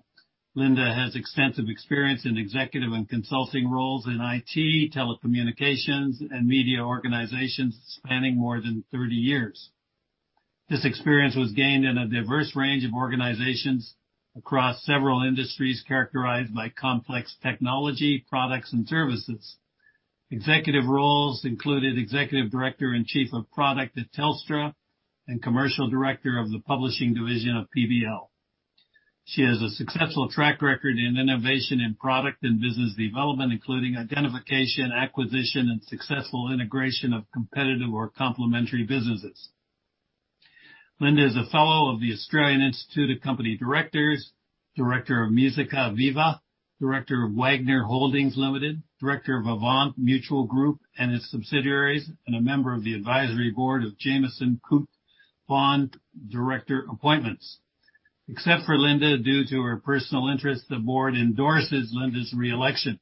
Linda has extensive experience in executive and consulting roles in IT, telecommunications, and media organizations spanning more than 30 years. This experience was gained in a diverse range of organizations across several industries characterized by complex technology, products, and services. Executive roles included executive director and chief of product at Telstra and commercial director of the publishing division of PBL. She has a successful track record in innovation in product and business development, including identification, acquisition, and successful integration of competitive or complementary businesses. Linda is a fellow of the Australian Institute of Company Directors, director of Musica Viva, director of Wagner Holdings Limited, director of Avant Mutual Group and its subsidiaries, and a member of the advisory board of Jamieson Coote Bonds. Except for Linda due to her personal interest, the board endorses Linda's reelection.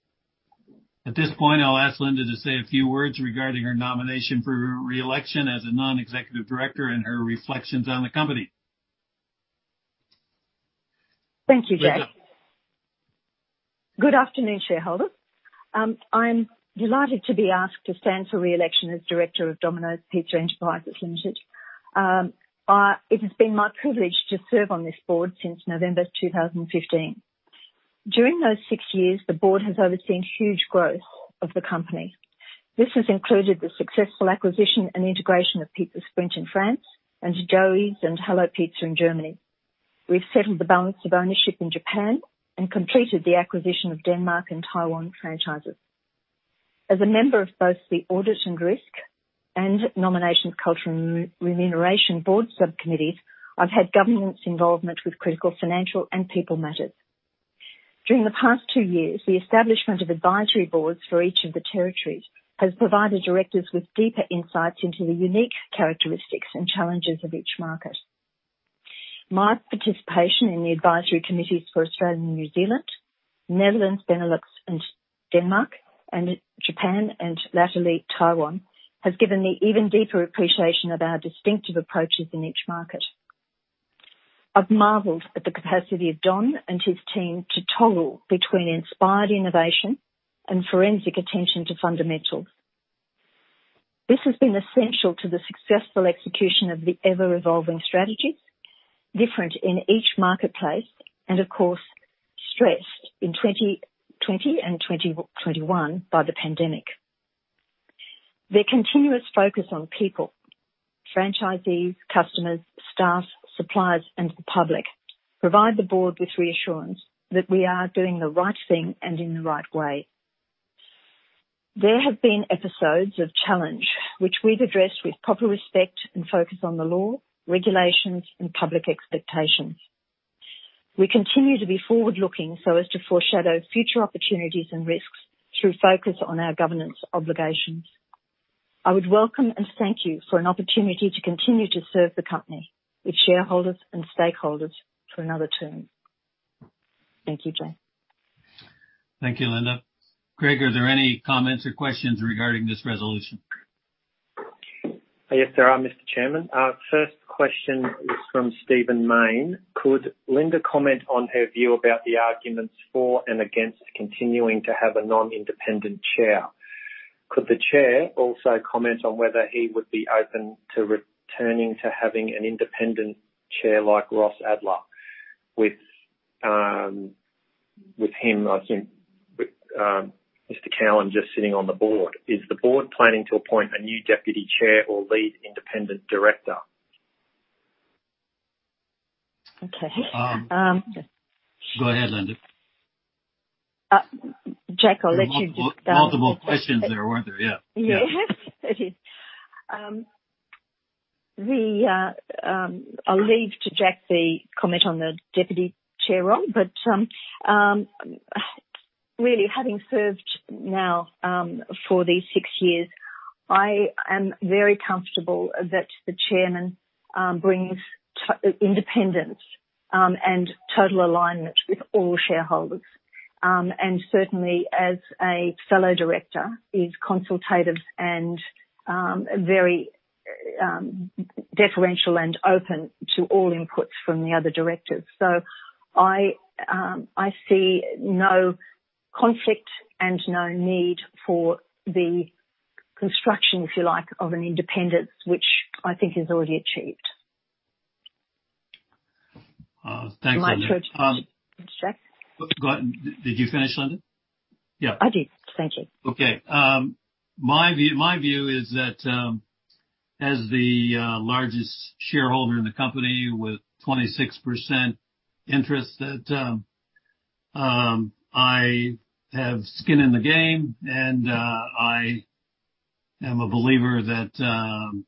At this point, I'll ask Linda to say a few words regarding her nomination for reelection as a non-executive director and her reflections on the company. Thank you, Craig. Good afternoon, shareholders. I'm delighted to be asked to stand for reelection as director of Domino's Pizza Enterprises Limited. It has been my privilege to serve on this board since November 2015. During those six years, the board has overseen huge growth of the company. This has included the successful acquisition and integration of Pizza Sprint in France and Joey's and Hallo Pizza in Germany. We've settled the balance of ownership in Japan and completed the acquisition of Denmark and Taiwan franchises. As a member of both the audit and risk and nomination culture and remuneration board subcommittees, I've had governance involvement with critical financial and people matters. During the past two years, the establishment of advisory boards for each of the territories has provided directors with deeper insights into the unique characteristics and challenges of each market. My participation in the advisory committees for Australia, New Zealand, Netherlands, Benelux, and Denmark, and Japan, and latterly Taiwan has given me even deeper appreciation of our distinctive approaches in each market. I've marveled at the capacity of Don and his team to toggle between inspired innovation and forensic attention to fundamentals. This has been essential to the successful execution of the ever-evolving strategies, different in each marketplace, and of course, stressed in 2020 and 2021 by the pandemic. Their continuous focus on people, franchisees, customers, staff, suppliers, and the public provide the board with reassurance that we are doing the right thing and in the right way. There have been episodes of challenge, which we've addressed with proper respect and focus on the law, regulations, and public expectations. We continue to be forward-looking so as to foreshadow future opportunities and risks through focus on our governance obligations. I would welcome and thank you for an opportunity to continue to serve the company with shareholders and stakeholders for another term. Thank you, Jack. Thank you, Linda. Craig, are there any comments or questions regarding this resolution? Yes, there are, Mr. Chairman. First question is from Stephen Mayne. Could Linda comment on her view about the arguments for and against continuing to have a non-independent chair? Could the chair also comment on whether he would be open to returning to having an independent chair like Ross Adler with him, I think, Mr. Cowen just sitting on the board? Is the board planning to appoint a new deputy chair or lead independent director? Okay. Go ahead, Linda. Jack, I'll let you just. Multiple questions there, weren't there? Yeah. Yes, it is. I'll leave to Jack the comment on the deputy chair role, but really, having served now for these six years, I am very comfortable that the chairman brings independence and total alignment with all shareholders, and certainly, as a fellow director, he's consultative and very deferential and open to all inputs from the other directors, so I see no conflict and no need for the construction, if you like, of an independence, which I think is already achieved. Thanks, Linda. My approach. Jack? Go ahead. Did you finish, Linda? Yeah. I did. Thank you. Okay. My view is that as the largest shareholder in the company with 26% interest, that I have skin in the game, and I am a believer that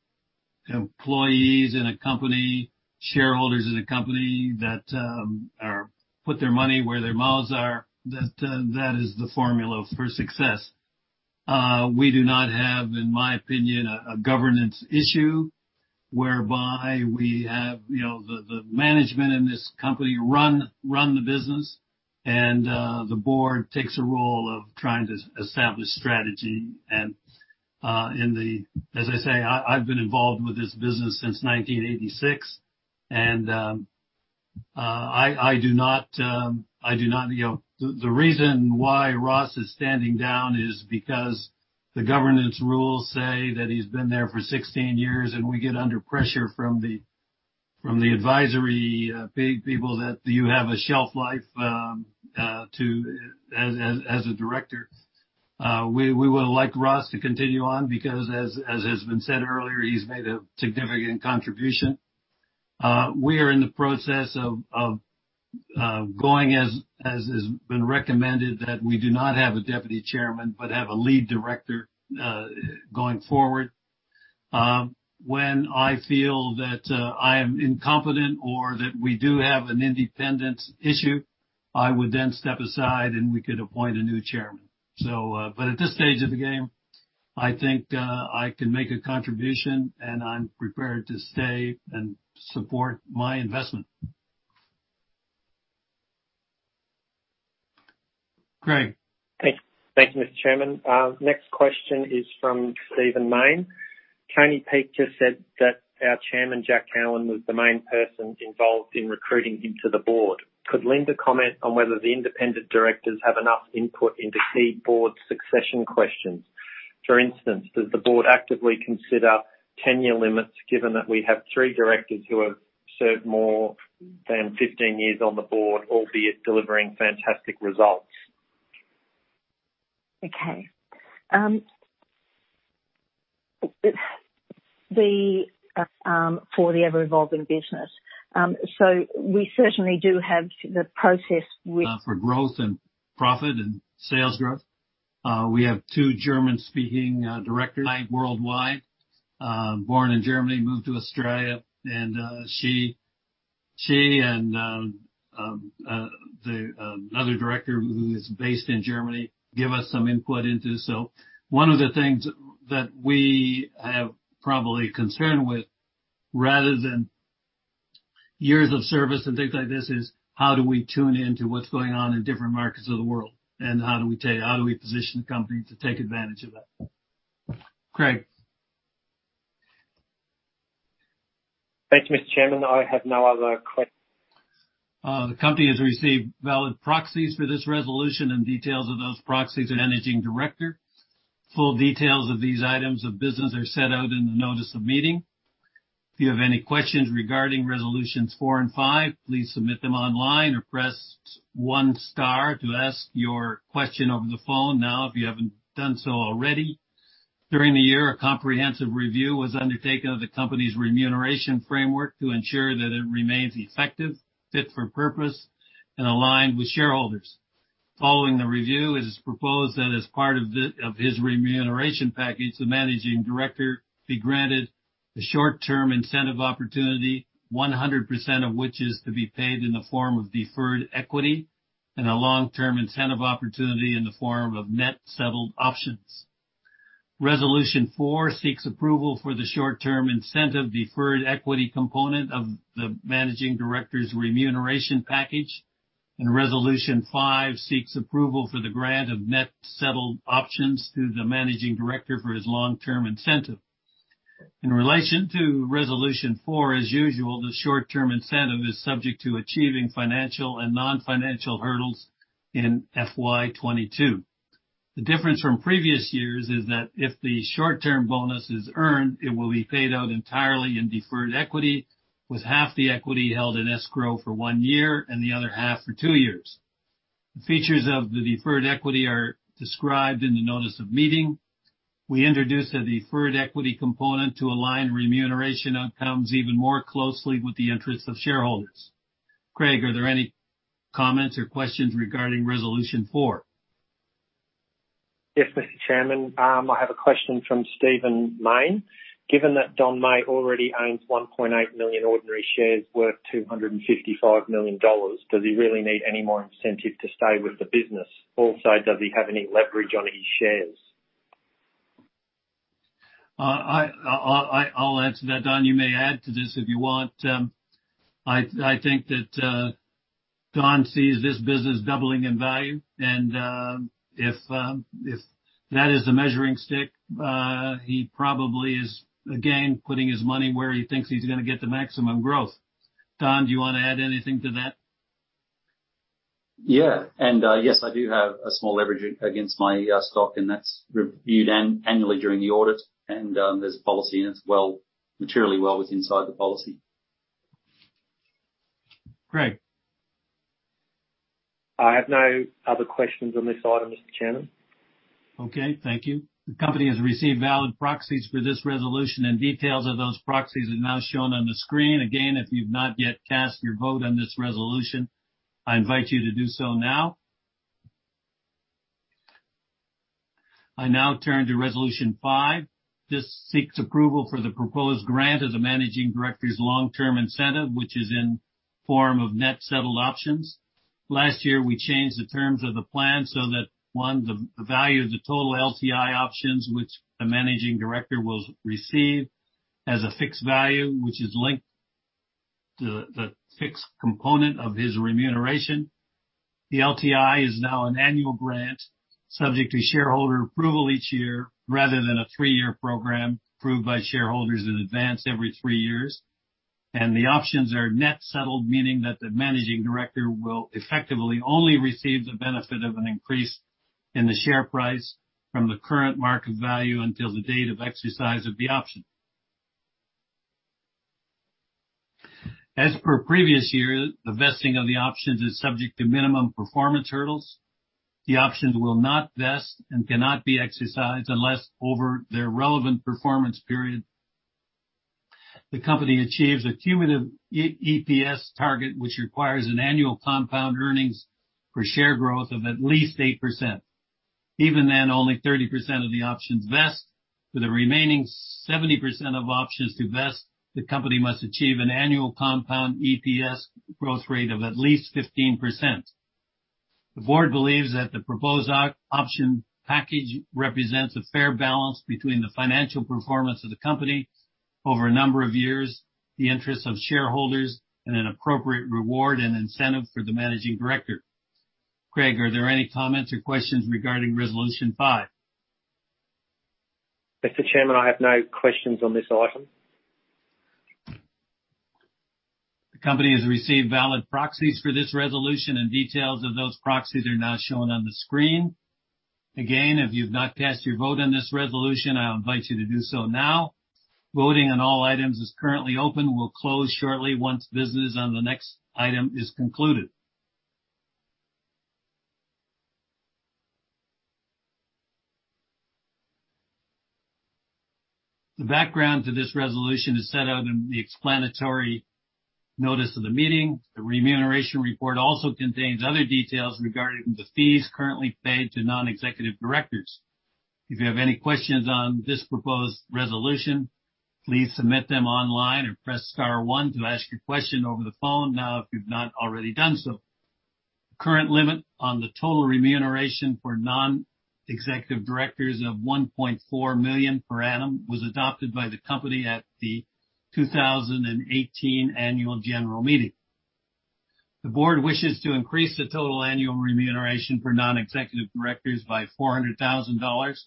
employees in a company, shareholders in a company that put their money where their mouths are, that that is the formula for success. We do not have, in my opinion, a governance issue whereby we have the management in this company run the business, and the board takes a role of trying to establish strategy. As I say, I've been involved with this business since 1986, and I do not see the reason why Ross is standing down is because the governance rules say that he's been there for 16 years, and we get under pressure from the advisory people that you have a shelf life as a director. We would like Ross to continue on because, as has been said earlier, he's made a significant contribution. We are in the process of going, as has been recommended, that we do not have a deputy chairman but have a lead director going forward. When I feel that I am incompetent or that we do have an independent issue, I would then step aside, and we could appoint a new chairman. But at this stage of the game, I think I can make a contribution, and I'm prepared to stay and support my investment. Craig. Thank you, Mr. Chairman. Next question is from Stephen Mayne. Tony Peake just said that our chairman, Jack Cowin, was the main person involved in recruiting him to the board. Could Linda comment on whether the independent directors have enough input into key board succession questions? For instance, does the board actively consider tenure limits given that we have three directors who have served more than 15 years on the board, albeit delivering fantastic results? Okay. For the ever-evolving business. So we certainly do have the process. For growth and profit and sales growth. We have two German-speaking directors worldwide, born in Germany, moved to Australia, and she and the other director who is based in Germany give us some input into, so one of the things that we have probably concern with, rather than years of service and things like this, is how do we tune into what's going on in different markets of the world, and how do we position the company to take advantage of that? Craig. Thank you, Mr. Chairman. I have no other questions. The company has received valid proxies for this resolution, and details of those proxies are Managing Director. Full details of these items of business are set out in the notice of meeting. If you have any questions regarding resolutions four and five, please submit them online or press one star to ask your question over the phone now if you haven't done so already. During the year, a comprehensive review was undertaken of the company's remuneration framework to ensure that it remains effective, fit for purpose, and aligned with shareholders. Following the review, it is proposed that as part of his remuneration package, the managing director be granted a short-term incentive opportunity, 100% of which is to be paid in the form of deferred equity and a long-term incentive opportunity in the form of net settled options. Resolution four seeks approval for the short-term incentive deferred equity component of the managing director's remuneration package, and resolution five seeks approval for the grant of net settled options to the managing director for his long-term incentive. In relation to resolution four, as usual, the short-term incentive is subject to achieving financial and non-financial hurdles in FY22. The difference from previous years is that if the short-term bonus is earned, it will be paid out entirely in deferred equity, with half the equity held in escrow for one year and the other half for two years. The features of the deferred equity are described in the notice of meeting. We introduced a deferred equity component to align remuneration outcomes even more closely with the interests of shareholders. Craig, are there any comments or questions regarding resolution four? Yes, Mr. Chairman. I have a question from Stephen Mayne. Given that Don Meij already owns 1.8 million ordinary shares worth 255 million dollars, does he really need any more incentive to stay with the business? Also, does he have any leverage on his shares? I'll answer that, Don. You may add to this if you want. I think that Don sees this business doubling in value, and if that is the measuring stick, he probably is, again, putting his money where he thinks he's going to get the maximum growth. Don, do you want to add anything to that? Yeah. And yes, I do have a small leverage against my stock, and that's reviewed annually during the audit, and there's a policy in it that's materially well within the policy. Craig. I have no other questions on this item, Mr. Chairman. Okay. Thank you. The company has received valid proxies for this resolution, and details of those proxies are now shown on the screen. Again, if you've not yet cast your vote on this resolution, I invite you to do so now. I now turn to resolution five. This seeks approval for the proposed grant of the Managing Director's long-term incentive, which is in the form of net settled options. Last year, we changed the terms of the plan so that, one, the value of the total LTI options, which the Managing Director will receive as a fixed value, which is linked to the fixed component of his remuneration. The LTI is now an annual grant subject to shareholder approval each year rather than a three-year program approved by shareholders in advance every three years, and the options are net settled, meaning that the Managing Director will effectively only receive the benefit of an increase in the share price from the current market value until the date of exercise of the option. As per previous years, the vesting of the options is subject to minimum performance hurdles. The options will not vest and cannot be exercised unless, over their relevant performance period, the company achieves a cumulative EPS target, which requires an annual compound earnings per share growth of at least 8%. Even then, only 30% of the options vest, with the remaining 70% of options to vest. The company must achieve an annual compound EPS growth rate of at least 15%. The board believes that the proposed option package represents a fair balance between the financial performance of the company over a number of years, the interests of shareholders, and an appropriate reward and incentive for the managing director. Craig, are there any comments or questions regarding resolution five? Mr. Chairman, I have no questions on this item. The company has received valid proxies for this resolution, and details of those proxies are now shown on the screen. Again, if you've not cast your vote on this resolution, I invite you to do so now. Voting on all items is currently open. We'll close shortly once business on the next item is concluded. The background to this resolution is set out in the explanatory notice of the meeting. The remuneration report also contains other details regarding the fees currently paid to non-executive directors. If you have any questions on this proposed resolution, please submit them online or press star one to ask your question over the phone now if you've not already done so. The current limit on the total remuneration for non-executive directors of 1.4 million per annum was adopted by the company at the 2018 annual general meeting. The board wishes to increase the total annual remuneration for non-executive directors by 400,000 dollars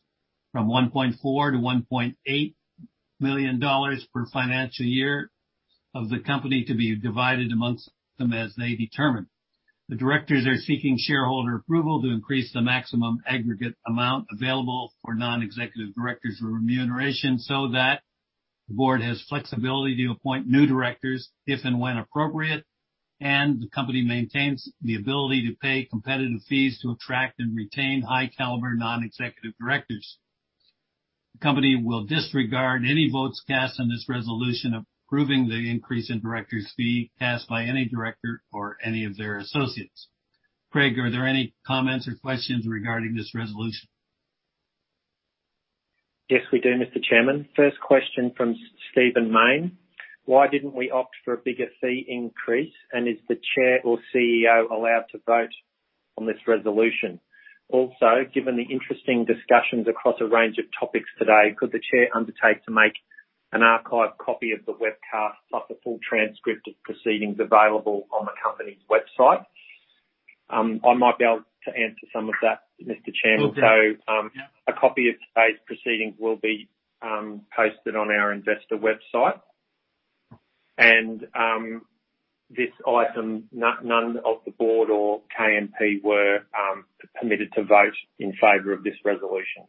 from 1.4 million to 1.8 million dollars per financial year of the company to be divided among them as they determine. The directors are seeking shareholder approval to increase the maximum aggregate amount available for non-executive directors' remuneration so that the board has flexibility to appoint new directors if and when appropriate, and the company maintains the ability to pay competitive fees to attract and retain high-caliber non-executive directors. The company will disregard any votes cast on this resolution approving the increase in directors' fee cast by any director or any of their associates. Craig, are there any comments or questions regarding this resolution? Yes, we do, Mr. Chairman. First question from Stephen Mayne. Why didn't we opt for a bigger fee increase, and is the chair or CEO allowed to vote on this resolution? Also, given the interesting discussions across a range of topics today, could the chair undertake to make an archive copy of the webcast plus a full transcript of proceedings available on the company's website? I might be able to answer some of that, Mr. Chairman. So a copy of today's proceedings will be posted on our investor website. And this item, none of the board or KMP were permitted to vote in favor of this resolution.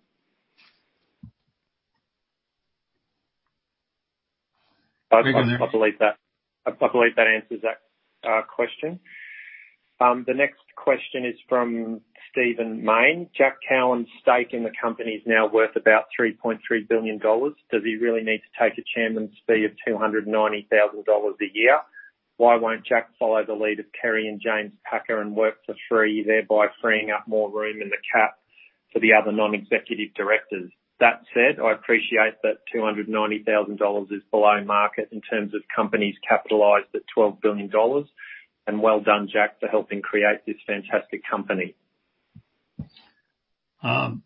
I believe that answers that question. The next question is from Stephen Mayne. Jack Cowin's stake in the company is now worth about 3.3 billion dollars. Does he really need to take a chairman's fee of 290,000 dollars a year? Why won't Jack follow the lead of Kerry and James Packer and work for free, thereby freeing up more room in the cap for the other non-executive directors? That said, I appreciate that 290,000 dollars is below market in terms of companies capitalized at 12 billion dollars. Well done, Jack, for helping create this fantastic company. I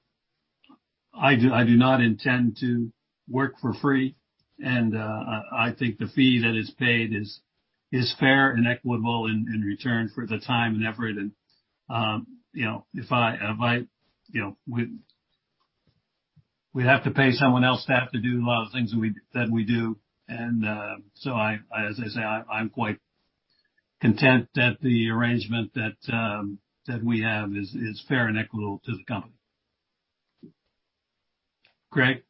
do not intend to work for free, and I think the fee that is paid is fair and equitable in return for the time and effort. If I would have to pay someone else to have to do a lot of things that we do, and so as I say, I'm quite content that the arrangement that we have is fair and equitable to the company. Craig.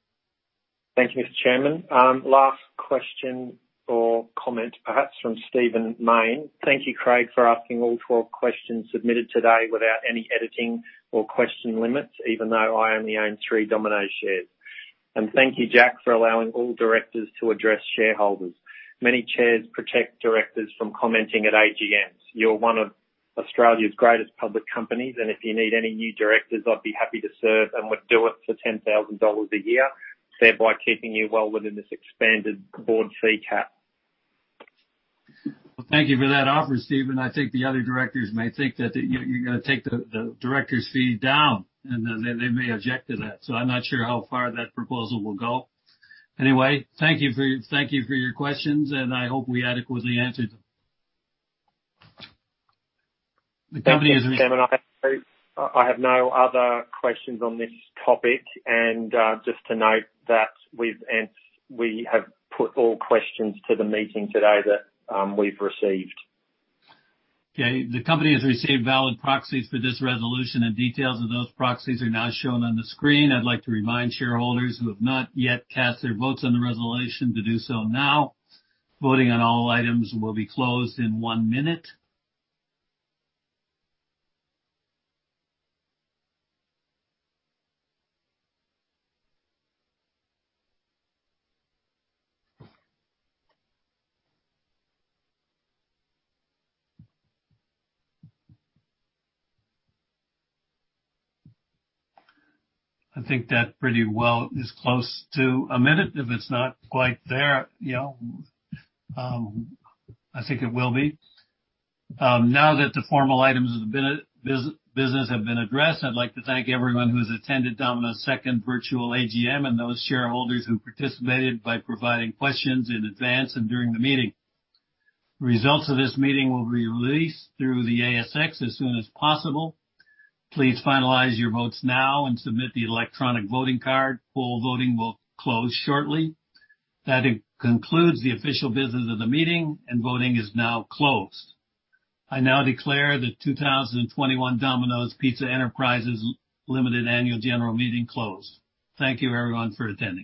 Thank you, Mr. Chairman. Last question or comment, perhaps from Stephen Mayne. Thank you, Craig, for asking all 12 questions submitted today without any editing or question limits, even though I only own three Domino's shares. Thank you, Jack, for allowing all directors to address shareholders. Many chairs protect directors from commenting at AGMs. You're one of Australia's greatest public companies, and if you need any new directors, I'd be happy to serve and would do it for 10,000 dollars a year, thereby keeping you well within this expanded board fee cap. Well, thank you for that offer, Stephen. I think the other directors may think that you're going to take the directors' fee down, and they may object to that. So I'm not sure how far that proposal will go. Anyway, thank you for your questions, and I hope we adequately answered them. The company has received. Mr. Chairman, I have no other questions on this topic. Just to note that we have put all questions to the meeting today that we've received. Okay. The company has received valid proxies for this resolution, and details of those proxies are now shown on the screen. I'd like to remind shareholders who have not yet cast their votes on the resolution to do so now. Voting on all items will be closed in one minute. I think that pretty well is close to a minute. If it's not quite there, I think it will be. Now that the formal items of the business have been addressed, I'd like to thank everyone who has attended Domino's second virtual AGM and those shareholders who participated by providing questions in advance and during the meeting. The results of this meeting will be released through the ASX as soon as possible. Please finalize your votes now and submit the electronic voting card. Poll voting will close shortly. That concludes the official business of the meeting, and voting is now closed. I now declare the 2021 Domino's Pizza Enterprises Limited annual general meeting closed. Thank you, everyone, for attending.